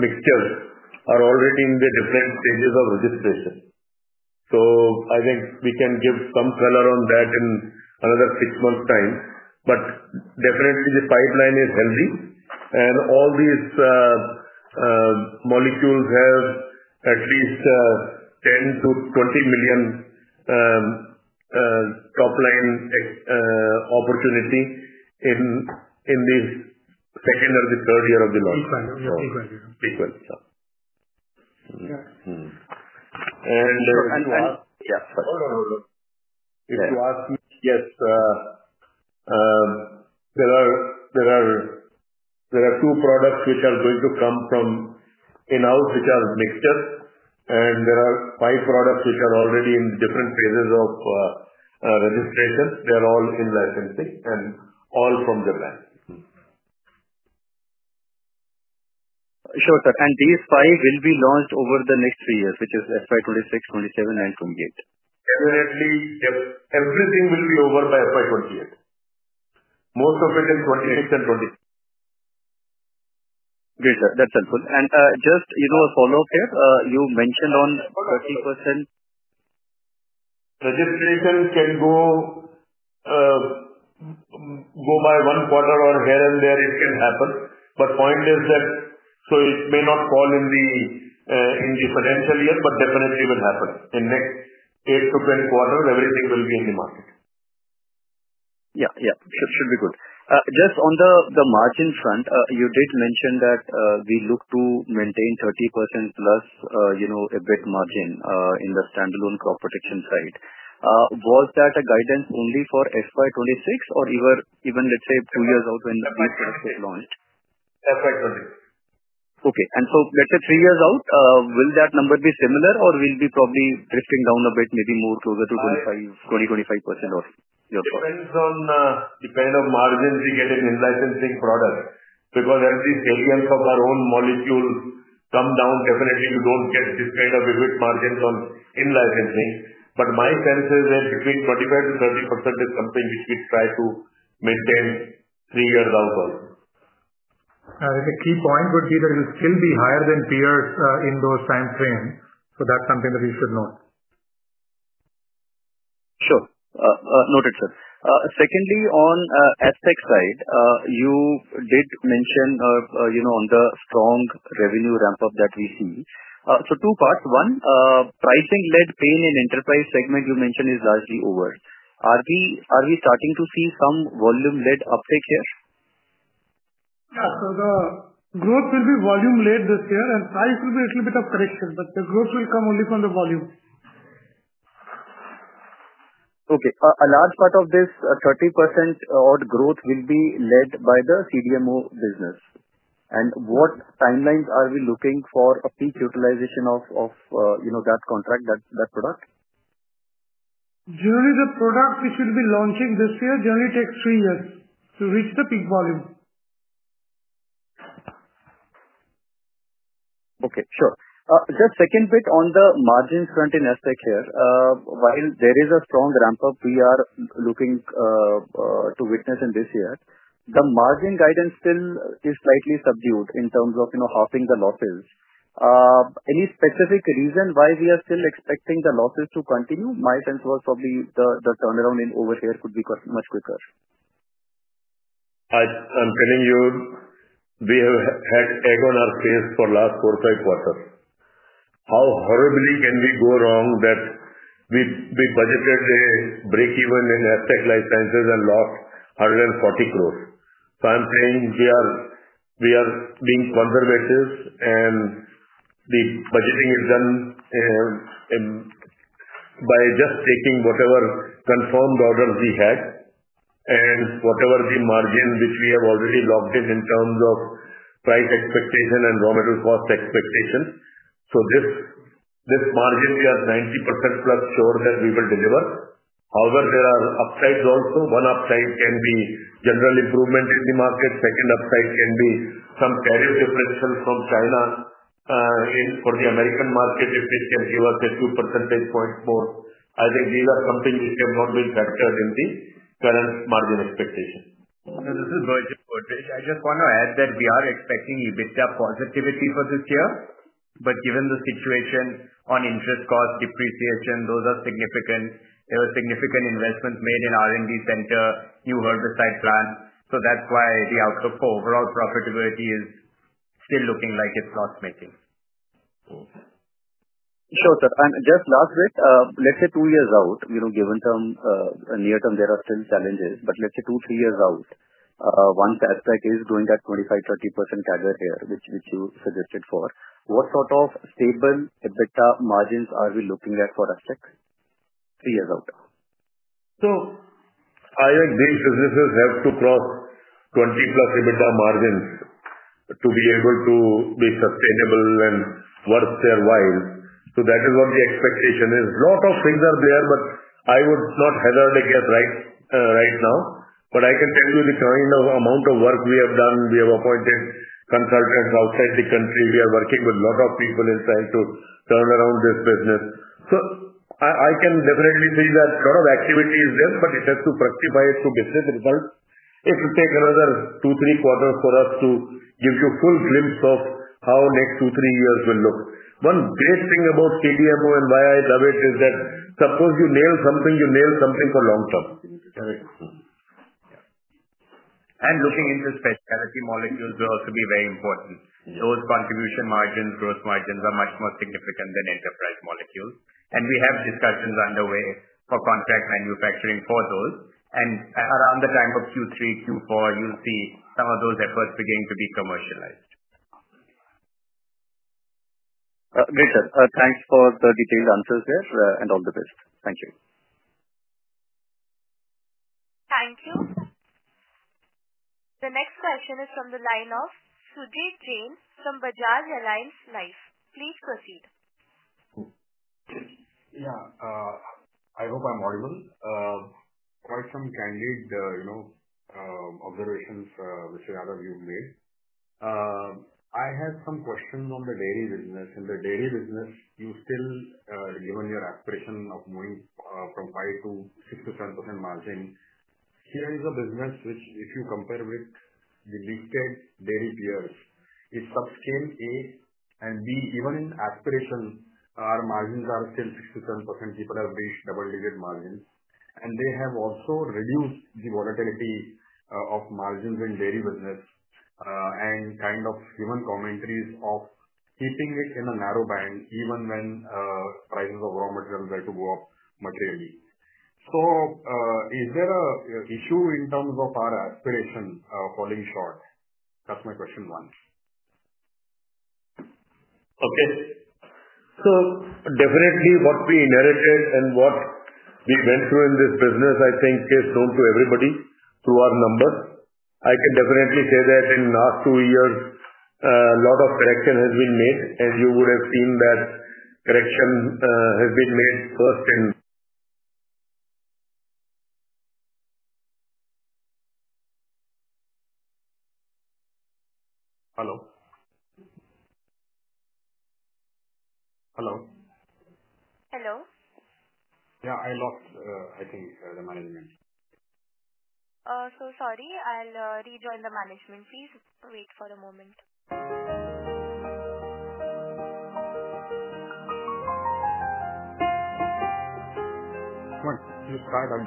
mixtures are already in the different stages of registration. I think we can give some color on that in another six months time. Definitely, the pipeline is healthy, and all these molecules have at least 10 million-20 million top-line opportunity in the second or the third year of the launch. Equal. Equal. Equal. Yeah. And. And. And. Yeah. Sorry. Hold on. Hold on. If you ask me, yes. There are two products which are going to come from in-house, which are mixtures. There are five products which are already in different phases of registration. They are all in-licensing and all from Japan. Sure, sir. These five will be launched over the next three years, which is FY 2026, 2027, and 2028? Definitely, everything will be over by FY 2028. Most of it is 2026 and 2027. Great, sir. That's helpful. Just a follow-up here. You mentioned on 30%. Registration can go by one quarter or here and there it can happen. The point is that it may not fall in the financial year, but definitely will happen. In the next 8-10 quarters, everything will be in the market. Yeah. Yeah. Should be good. Just on the margin front, you did mention that we look to maintain 30%+ EBIT margin in the standalone crop protection side. Was that a guidance only for FY 2026 or even, let's say, two years out when these products get launched? FY 2026. Okay. Let's say three years out, will that number be similar or will it be probably drifting down a bit, maybe more closer to 25% or your thoughts? Depends on the kind of margins we get in in-licensing products because as the salience of our own molecules come down, definitely you do not get this kind of EBIT margins on in-licensing. My sense is that between 25%-30% is something which we try to maintain three years out also. The key point would be that it will still be higher than peers in those time frames. That is something that you should note. Sure. Noted, sir. Secondly, on Astec side, you did mention on the strong revenue ramp-up that we see. Two parts. One, pricing-led pain in enterprise segment you mentioned is largely over. Are we starting to see some volume-led uptake here? Yeah. The growth will be volume-led this year, and price will be a little bit of correction, but the growth will come only from the volume. Okay. A large part of this 30% odd growth will be led by the CDMO business. What timelines are we looking for a peak utilization of that contract, that product? Generally, the product we should be launching this year generally takes three years to reach the peak volume. Okay. Sure. Just second bit on the margins front in Astec here. While there is a strong ramp-up we are looking to witness in this year, the margin guidance still is slightly subdued in terms of halving the losses. Any specific reason why we are still expecting the losses to continue? My sense was probably the turnaround over here could be much quicker. I'm telling you, we have had egg on our face for the last four, five quarters. How horribly can we go wrong that we budgeted a break even in Astec LifeSciences and lost 140 crore? I am saying we are being conservative, and the budgeting is done by just taking whatever confirmed orders we had and whatever the margin which we have already locked in in terms of price expectation and raw material cost expectation. So this margin, we are 90% plus sure that we will deliver. However, there are upsides also. One upside can be general improvement in the market. Second upside can be some tariff differential from China for the American market, if it can give us a few percentage points more. I think these are something which have not been factored in the current margin expectation. This is Rohit Gangaraj. I just want to add that we are expecting EBITDA positivity for this year, but given the situation on interest cost, depreciation, those are significant. There are significant investments made in R&D center, new herbicide plants. That is why the outlook for overall profitability is still looking like it is loss-making. Sure, sir. And just last bit, let's say two years out, given some near-term, there are still challenges, but let's say 2-3 years out, once Astec is going at 25%-30% CAGR here, which you suggested for, what sort of stable EBITDA margins are we looking at for Astec three years out? I think these businesses have to cross 20%+ EBITDA margins to be able to be sustainable and worth their while. That is what the expectation is. A lot of things are there, but I would not hazard a guess right now. I can tell you the kind of amount of work we have done. We have appointed consultants outside the country. We are working with a lot of people in trying to turn around this business. I can definitely see that a lot of activity is there, but it has to precipitate to business results. It will take another two to three quarters for us to give you a full glimpse of how the next two to three years will look. One great thing about CDMO and why I love it is that suppose you nail something, you nail something for long term. Correct. Looking into specialty molecules will also be very important. Those contribution margins, gross margins are much more significant than enterprise molecules. We have discussions underway for contract manufacturing for those. Around the time of Q3, Q4, you'll see some of those efforts beginning to be commercialized. Great, sir. Thanks for the detailed answers there and all the best. Thank you. Thank you. The next question is from the line of Sujit Jain from Bajaj Allianz Life. Please proceed. Yeah. I hope I'm audible. Quite some candid observations, Mr. Yadav, you've made. I have some questions on the dairy business. In the dairy business, you still, given your aspiration of moving from 5%-6%-7% margin, here is a business which, if you compare with the listed dairy peers, it's subscale A and B. Even in aspiration, our margins are still 6%-7%, people have reached double-digit margins. They have also reduced the volatility of margins in dairy business and kind of given commentaries of keeping it in a narrow band even when prices of raw materials are to go up materially. Is there an issue in terms of our aspiration falling short? That's my question one. Okay. Definitely, what we inherited and what we went through in this business, I think, is known to everybody through our numbers. I can definitely say that in the last two years, a lot of correction has been made, and you would have seen that correction has been made first in. Hello. Hello. Hello. Yeah. I lost, I think, the management. Sorry. I'll rejoin the management. Please wait for a moment. Come on. You start. I'm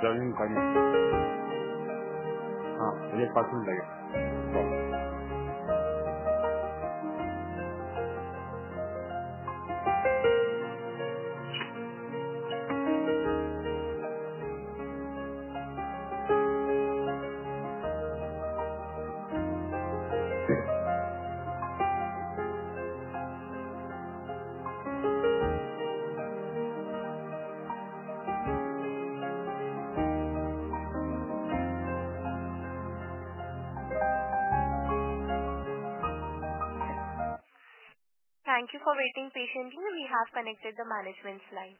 joining. Come on. Wait for a few seconds. Thank you for waiting patiently. We have connected the management's line.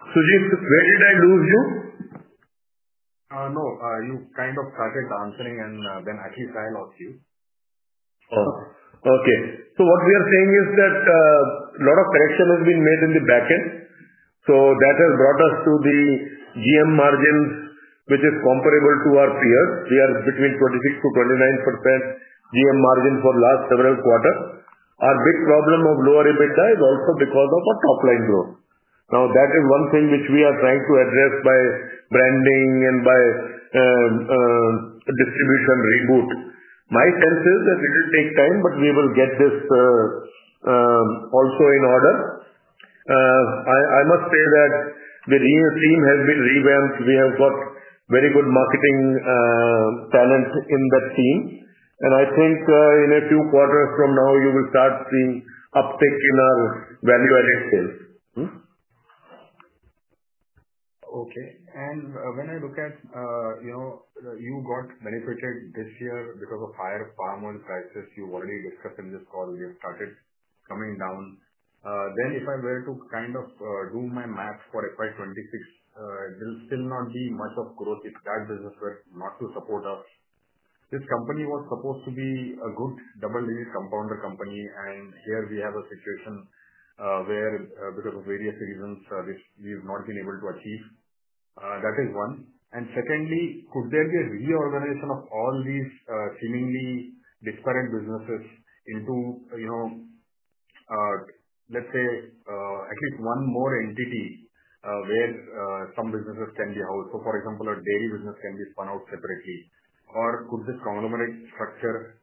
Sudhir, where did I lose you? No. You kind of started answering, and then at least I lost you. Okay. What we are saying is that a lot of correction has been made in the backend. That has brought us to the GM margins, which is comparable to our peers. We are between 26%-29% GM margin for the last several quarters. Our big problem of lower EBITDA is also because of our top-line growth. That is one thing which we are trying to address by branding and by distribution reboot. My sense is that it will take time, but we will get this also in order. I must say that the team has been revamped. We have got very good marketing talent in that team. I think in a few quarters from now, you will start seeing uptake in our value-added sales. Okay. When I look at you got benefited this year because of higher palm oil prices, you've already discussed in this call, they've started coming down. If I were to kind of do my math for FY 2026, there will still not be much of growth if that business were not to support us. This company was supposed to be a good double-digit compounder company, and here we have a situation where, because of various reasons, we've not been able to achieve. That is one. Secondly, could there be a reorganization of all these seemingly disparate businesses into, let's say, at least one more entity where some businesses can be housed? For example, a dairy business can be spun out separately. Could this conglomerate structure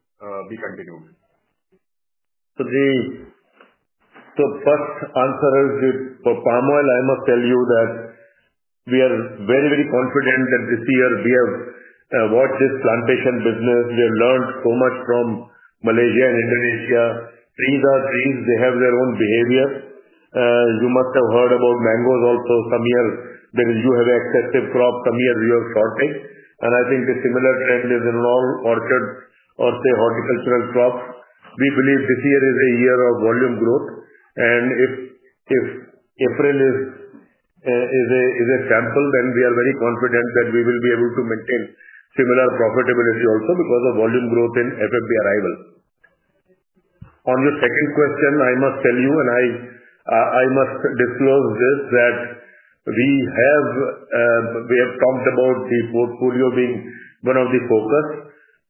be continued? Sudhir, the first answer is with palm oil. I must tell you that we are very, very confident that this year we have watched this plantation business. We have learned so much from Malaysia and Indonesia. Trees are trees. They have their own behavior. You must have heard about mangoes also some year because you have excessive crop, some years you have short take. I think the similar trend is in all orchards or say horticultural crops. We believe this year is a year of volume growth. If April is a sample, then we are very confident that we will be able to maintain similar profitability also because of volume growth in FFB arrival. On your second question, I must tell you, and I must disclose this, that we have talked about the portfolio being one of the focus.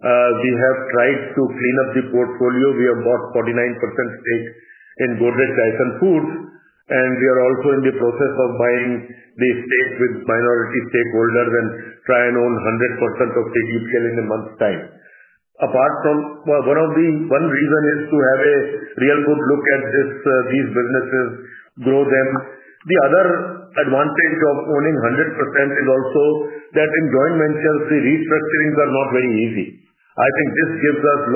We have tried to clean up the portfolio. We have bought 49% stake in Godrej Tyson Foods, and we are also in the process of buying the stake with minority stakeholders and try and own 100% of CDPL in a month's time. One reason is to have a real good look at these businesses, grow them. The other advantage of owning 100% is also that in joint ventures, the restructurings are not very easy. I think this gives us a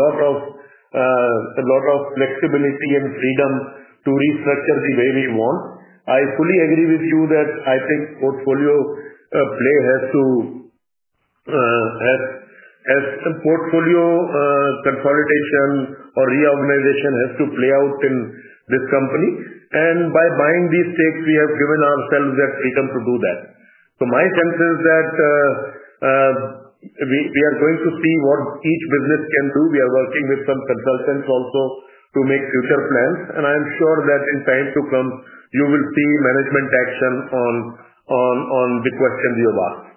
lot of flexibility and freedom to restructure the way we want. I fully agree with you that I think portfolio play has to portfolio consolidation or reorganization has to play out in this company. By buying these stakes, we have given ourselves that freedom to do that. My sense is that we are going to see what each business can do. We are working with some consultants also to make future plans. I am sure that in time to come, you will see management action on the questions you have asked.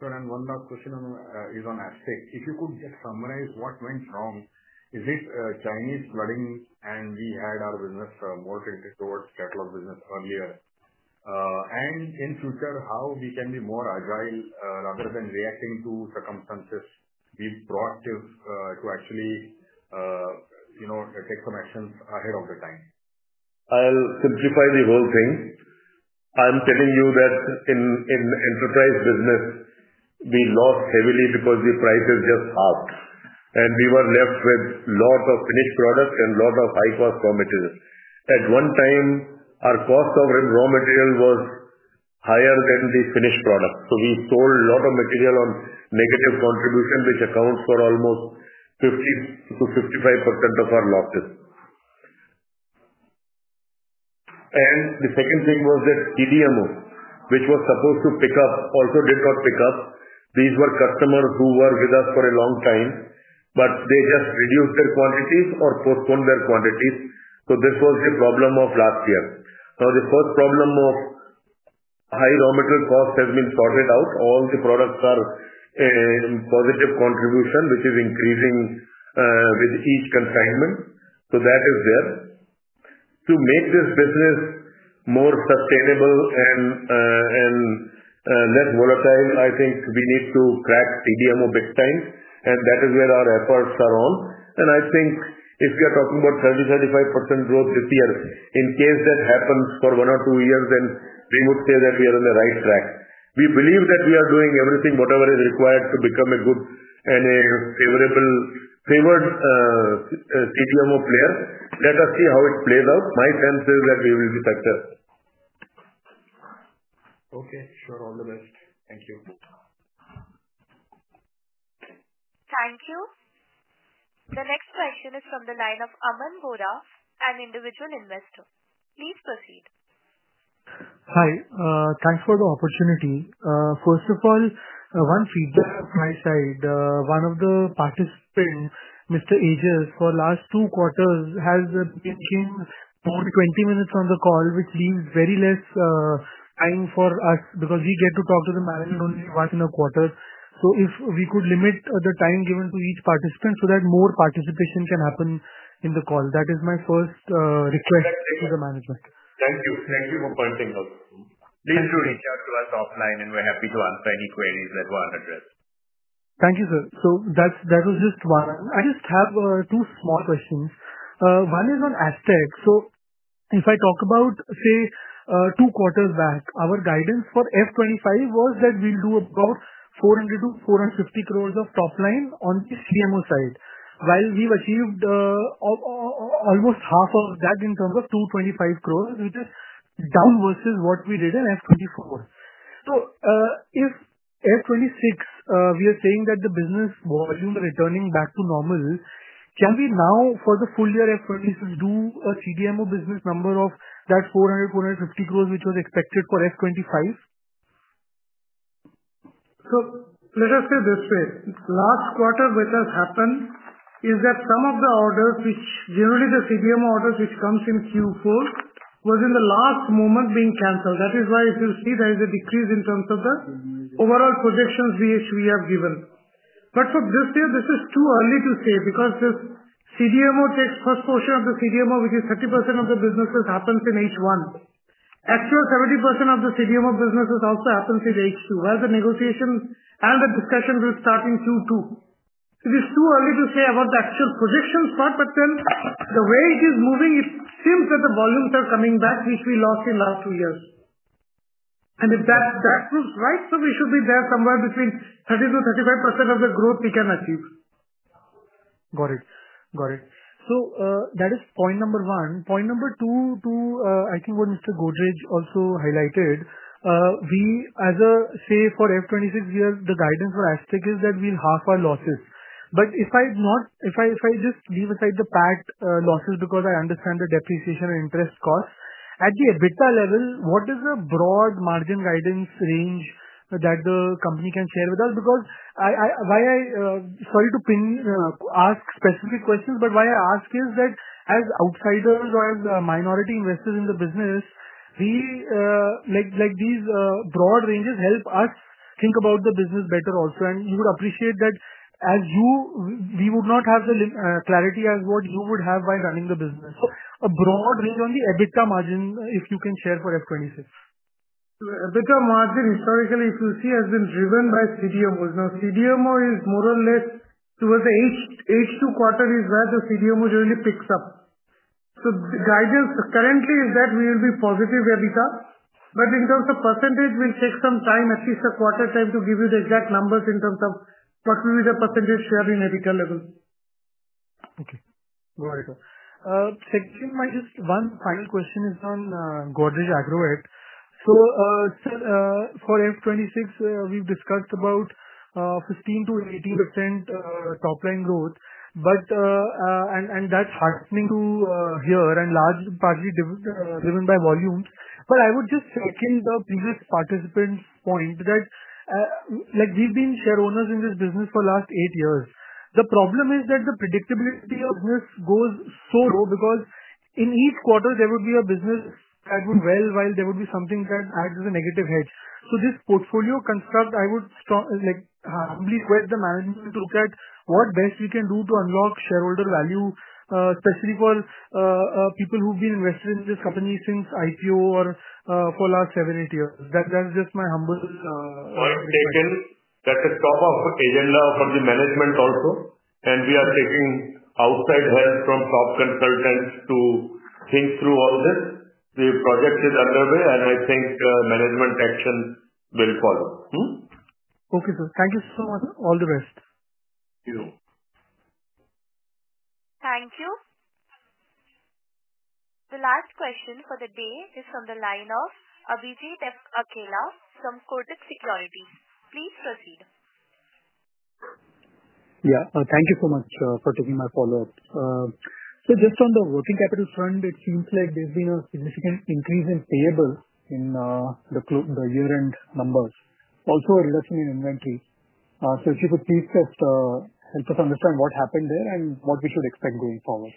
Sir, and one last question is on Astec. If you could just summarize what went wrong, is it Chinese flooding and we had our business more tilted towards catalog business earlier? In future, how we can be more agile rather than reacting to circumstances, be proactive to actually take some actions ahead of the time? I'll simplify the whole thing. I'm telling you that in enterprise business, we lost heavily because the price has just halved. We were left with a lot of finished product and a lot of high-cost raw material. At one time, our cost of raw material was higher than the finished product. We sold a lot of material on negative contribution, which accounts for almost 50%-55% of our losses. The second thing was that CDMO, which was supposed to pick up, also did not pick up. These were customers who were with us for a long time, but they just reduced their quantities or postponed their quantities. This was the problem of last year. Now, the first problem of high raw material cost has been sorted out. All the products are in positive contribution, which is increasing with each consignment. That is there. To make this business more sustainable and less volatile, I think we need to crack CDMO big time. That is where our efforts are on. I think if we are talking about 30-35% growth this year, in case that happens for one or two years, then we would say that we are on the right track. We believe that we are doing everything, whatever is required to become a good and a favorable CDMO player. Let us see how it plays out. My sense is that we will be successful. Okay. Sure. All the best. Thank you. Thank you. The next question is from the line of Aman Bora, an individual investor. Please proceed. Hi. Thanks for the opportunity. First of all, one feedback from my side. One of the participants, Mr. Aejas, for the last two quarters has been giving more than 20 minutes on the call, which leaves very less time for us because we get to talk to the management only once in a quarter. If we could limit the time given to each participant so that more participation can happen in the call. That is my first request to the management. Thank you. Thank you for pointing out. Please do reach out to us offline, and we're happy to answer any queries that were unaddressed. Thank you, sir. That was just one. I just have two small questions. One is on Astec. If I talk about, say, two quarters back, our guidance for FY 2025 was that we'll do about 400-450 crore of top line on the CDMO side, while we've achieved almost half of that in terms of 225 crore, which is down versus what we did in FY 2024. If FY 2026, we are saying that the business volume is returning back to normal, can we now, for the full year FY 2026, do a CDMO business number of that 400- 450 crore, which was expected for FY 2025? Let us say this way. Last quarter, which has happened, is that some of the orders, which generally the CDMO orders which comes in Q4, was in the last moment being canceled. That is why if you see, there is a decrease in terms of the overall projections which we have given. For this year, this is too early to say because this CDMO takes first portion of the CDMO, which is 30% of the businesses, happens in H1. Actual 70% of the CDMO businesses also happens in H2, where the negotiations and the discussions will start in Q2. It is too early to say about the actual projections part, but then the way it is moving, it seems that the volumes are coming back, which we lost in the last two years. If that proves right, we should be there somewhere between 30%-35% of the growth we can achieve. Got it. Got it. That is point number one. Point number two, I think what Mr. Godrej also highlighted, we, as I say for FY 2026, the guidance for Astec is that we will half our losses. If I just leave aside the PAT losses because I understand the depreciation and interest costs, at the EBITDA level, what is the broad margin guidance range that the company can share with us? Why I—sorry to ask specific questions, but why I ask is that as outsiders or as minority investors in the business, these broad ranges help us think about the business better also. You would appreciate that as you, we would not have the clarity as what you would have by running the business. A broad range on the EBITDA margin, if you can share for FY 2026. EBITDA margin, historically, if you see, has been driven by CDMOs. Now, CDMO is more or less towards the H2 quarter is where the CDMO generally picks up. The guidance currently is that we will be positive EBITDA. In terms of percentage, we'll take some time, at least a quarter time, to give you the exact numbers in terms of what will be the percentage share in EBITDA level. Okay. Got it. Second, my just one final question is on Godrej Agrovet. For FY 2026, we've discussed about 15%-18% top-line growth, and that's heartening to hear and largely partly driven by volumes. I would just second the previous participant's point that we've been share owners in this business for the last eight years. The problem is that the predictability of business goes so low because in each quarter, there would be a business that would do well while there would be something that adds a negative hedge. This portfolio construct, I would humbly request the management to look at what best we can do to unlock shareholder value, especially for people who've been invested in this company since IPO or for the last seven, eight years. That's just my humble. Point taken. That is top of agenda for the management also. We are taking outside help from top consultants to think through all this. The project is underway, and I think management action will follow. Okay, sir. Thank you so much. All the best. You too. Thank you. The last question for the day is from the line of Abhijit Akella from Kotak Securities. Please proceed. Yeah. Thank you so much for taking my follow-up. Just on the working capital front, it seems like there's been a significant increase in payables in the year-end numbers. Also, a reduction in inventory. If you could please just help us understand what happened there and what we should expect going forward.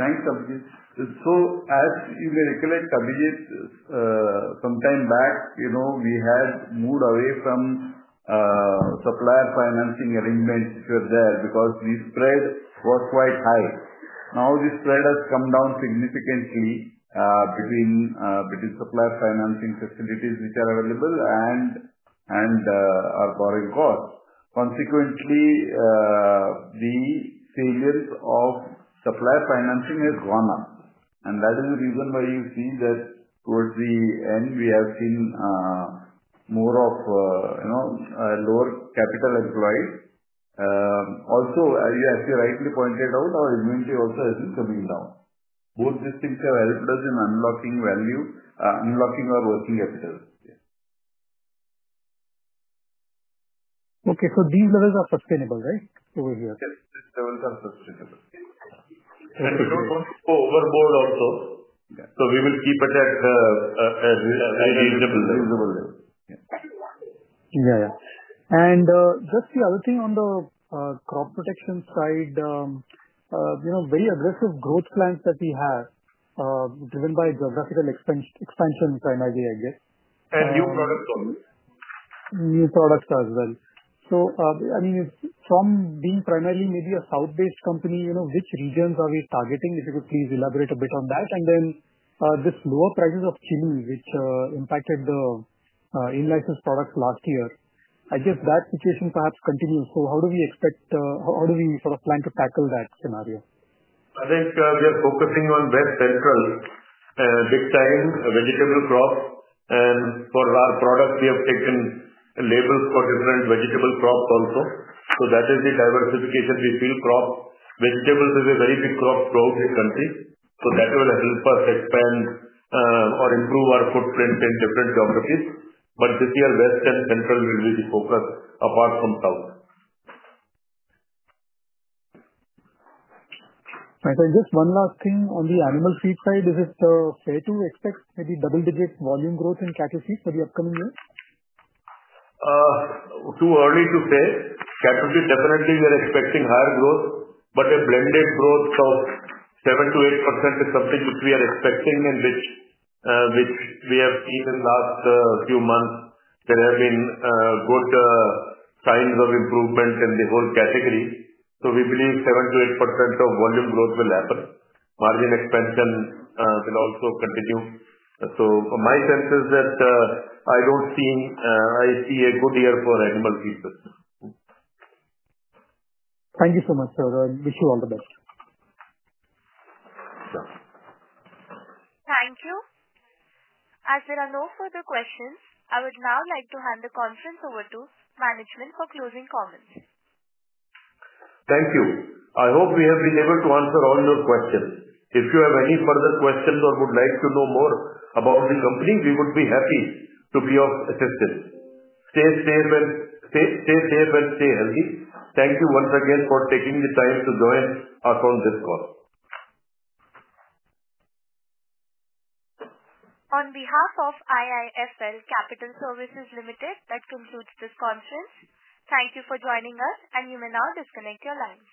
Thanks, Abhijit. As you may recollect, Abhijit, some time back, we had moved away from supplier financing arrangements which were there because the spread was quite high. Now, the spread has come down significantly between supplier financing facilities which are available and our borrowing costs. Consequently, the savings of supplier financing has gone up. That is the reason why you see that towards the end, we have seen more of lower capital employed. Also, as you rightly pointed out, our inventory also has been coming down. Both these things have helped us in unlocking value, unlocking our working capital. Okay. These levels are sustainable, right, over here? Yes. These levels are sustainable. We do not want to go overboard also. We will keep it at a reasonable level. Yeah. Yeah. The other thing on the crop protection side, very aggressive growth plans that we have driven by geographical expansion primarily, I guess. New products also. New products as well. I mean, from being primarily maybe a South-based company, which regions are we targeting? If you could please elaborate a bit on that. Then this lower prices of chili, which impacted the in-license products last year. I guess that situation perhaps continues. How do we expect, how do we sort of plan to tackle that scenario? I think we are focusing on West Central, big-time, vegetable crops. And for our products, we have taken labels for different vegetable crops also. That is the diversification we feel. Vegetables is a very big crop growth in the country. That will help us expand or improve our footprint in different geographies. This year, West and Central will be the focus apart from South. Just one last thing on the animal feed side. Is it fair to expect maybe double-digit volume growth in cattle feed for the upcoming year? Too early to say. Cattle feed, definitely, we are expecting higher growth. A blended growth of 7%-8% is something which we are expecting and which we have seen in the last few months. There have been good signs of improvement in the whole category. We believe 7%-8% of volume growth will happen. Margin expansion will also continue. My sense is that I see a good year for animal feed. Thank you so much, sir. I wish you all the best. Thank you. As there are no further questions, I would now like to hand the conference over to management for closing comments. Thank you. I hope we have been able to answer all your questions. If you have any further questions or would like to know more about the company, we would be happy to be of assistance. Stay safe and stay healthy. Thank you once again for taking the time to join us on this call. On behalf of IIFL Capital Services Limited, that concludes this conference. Thank you for joining us, and you may now disconnect your lines.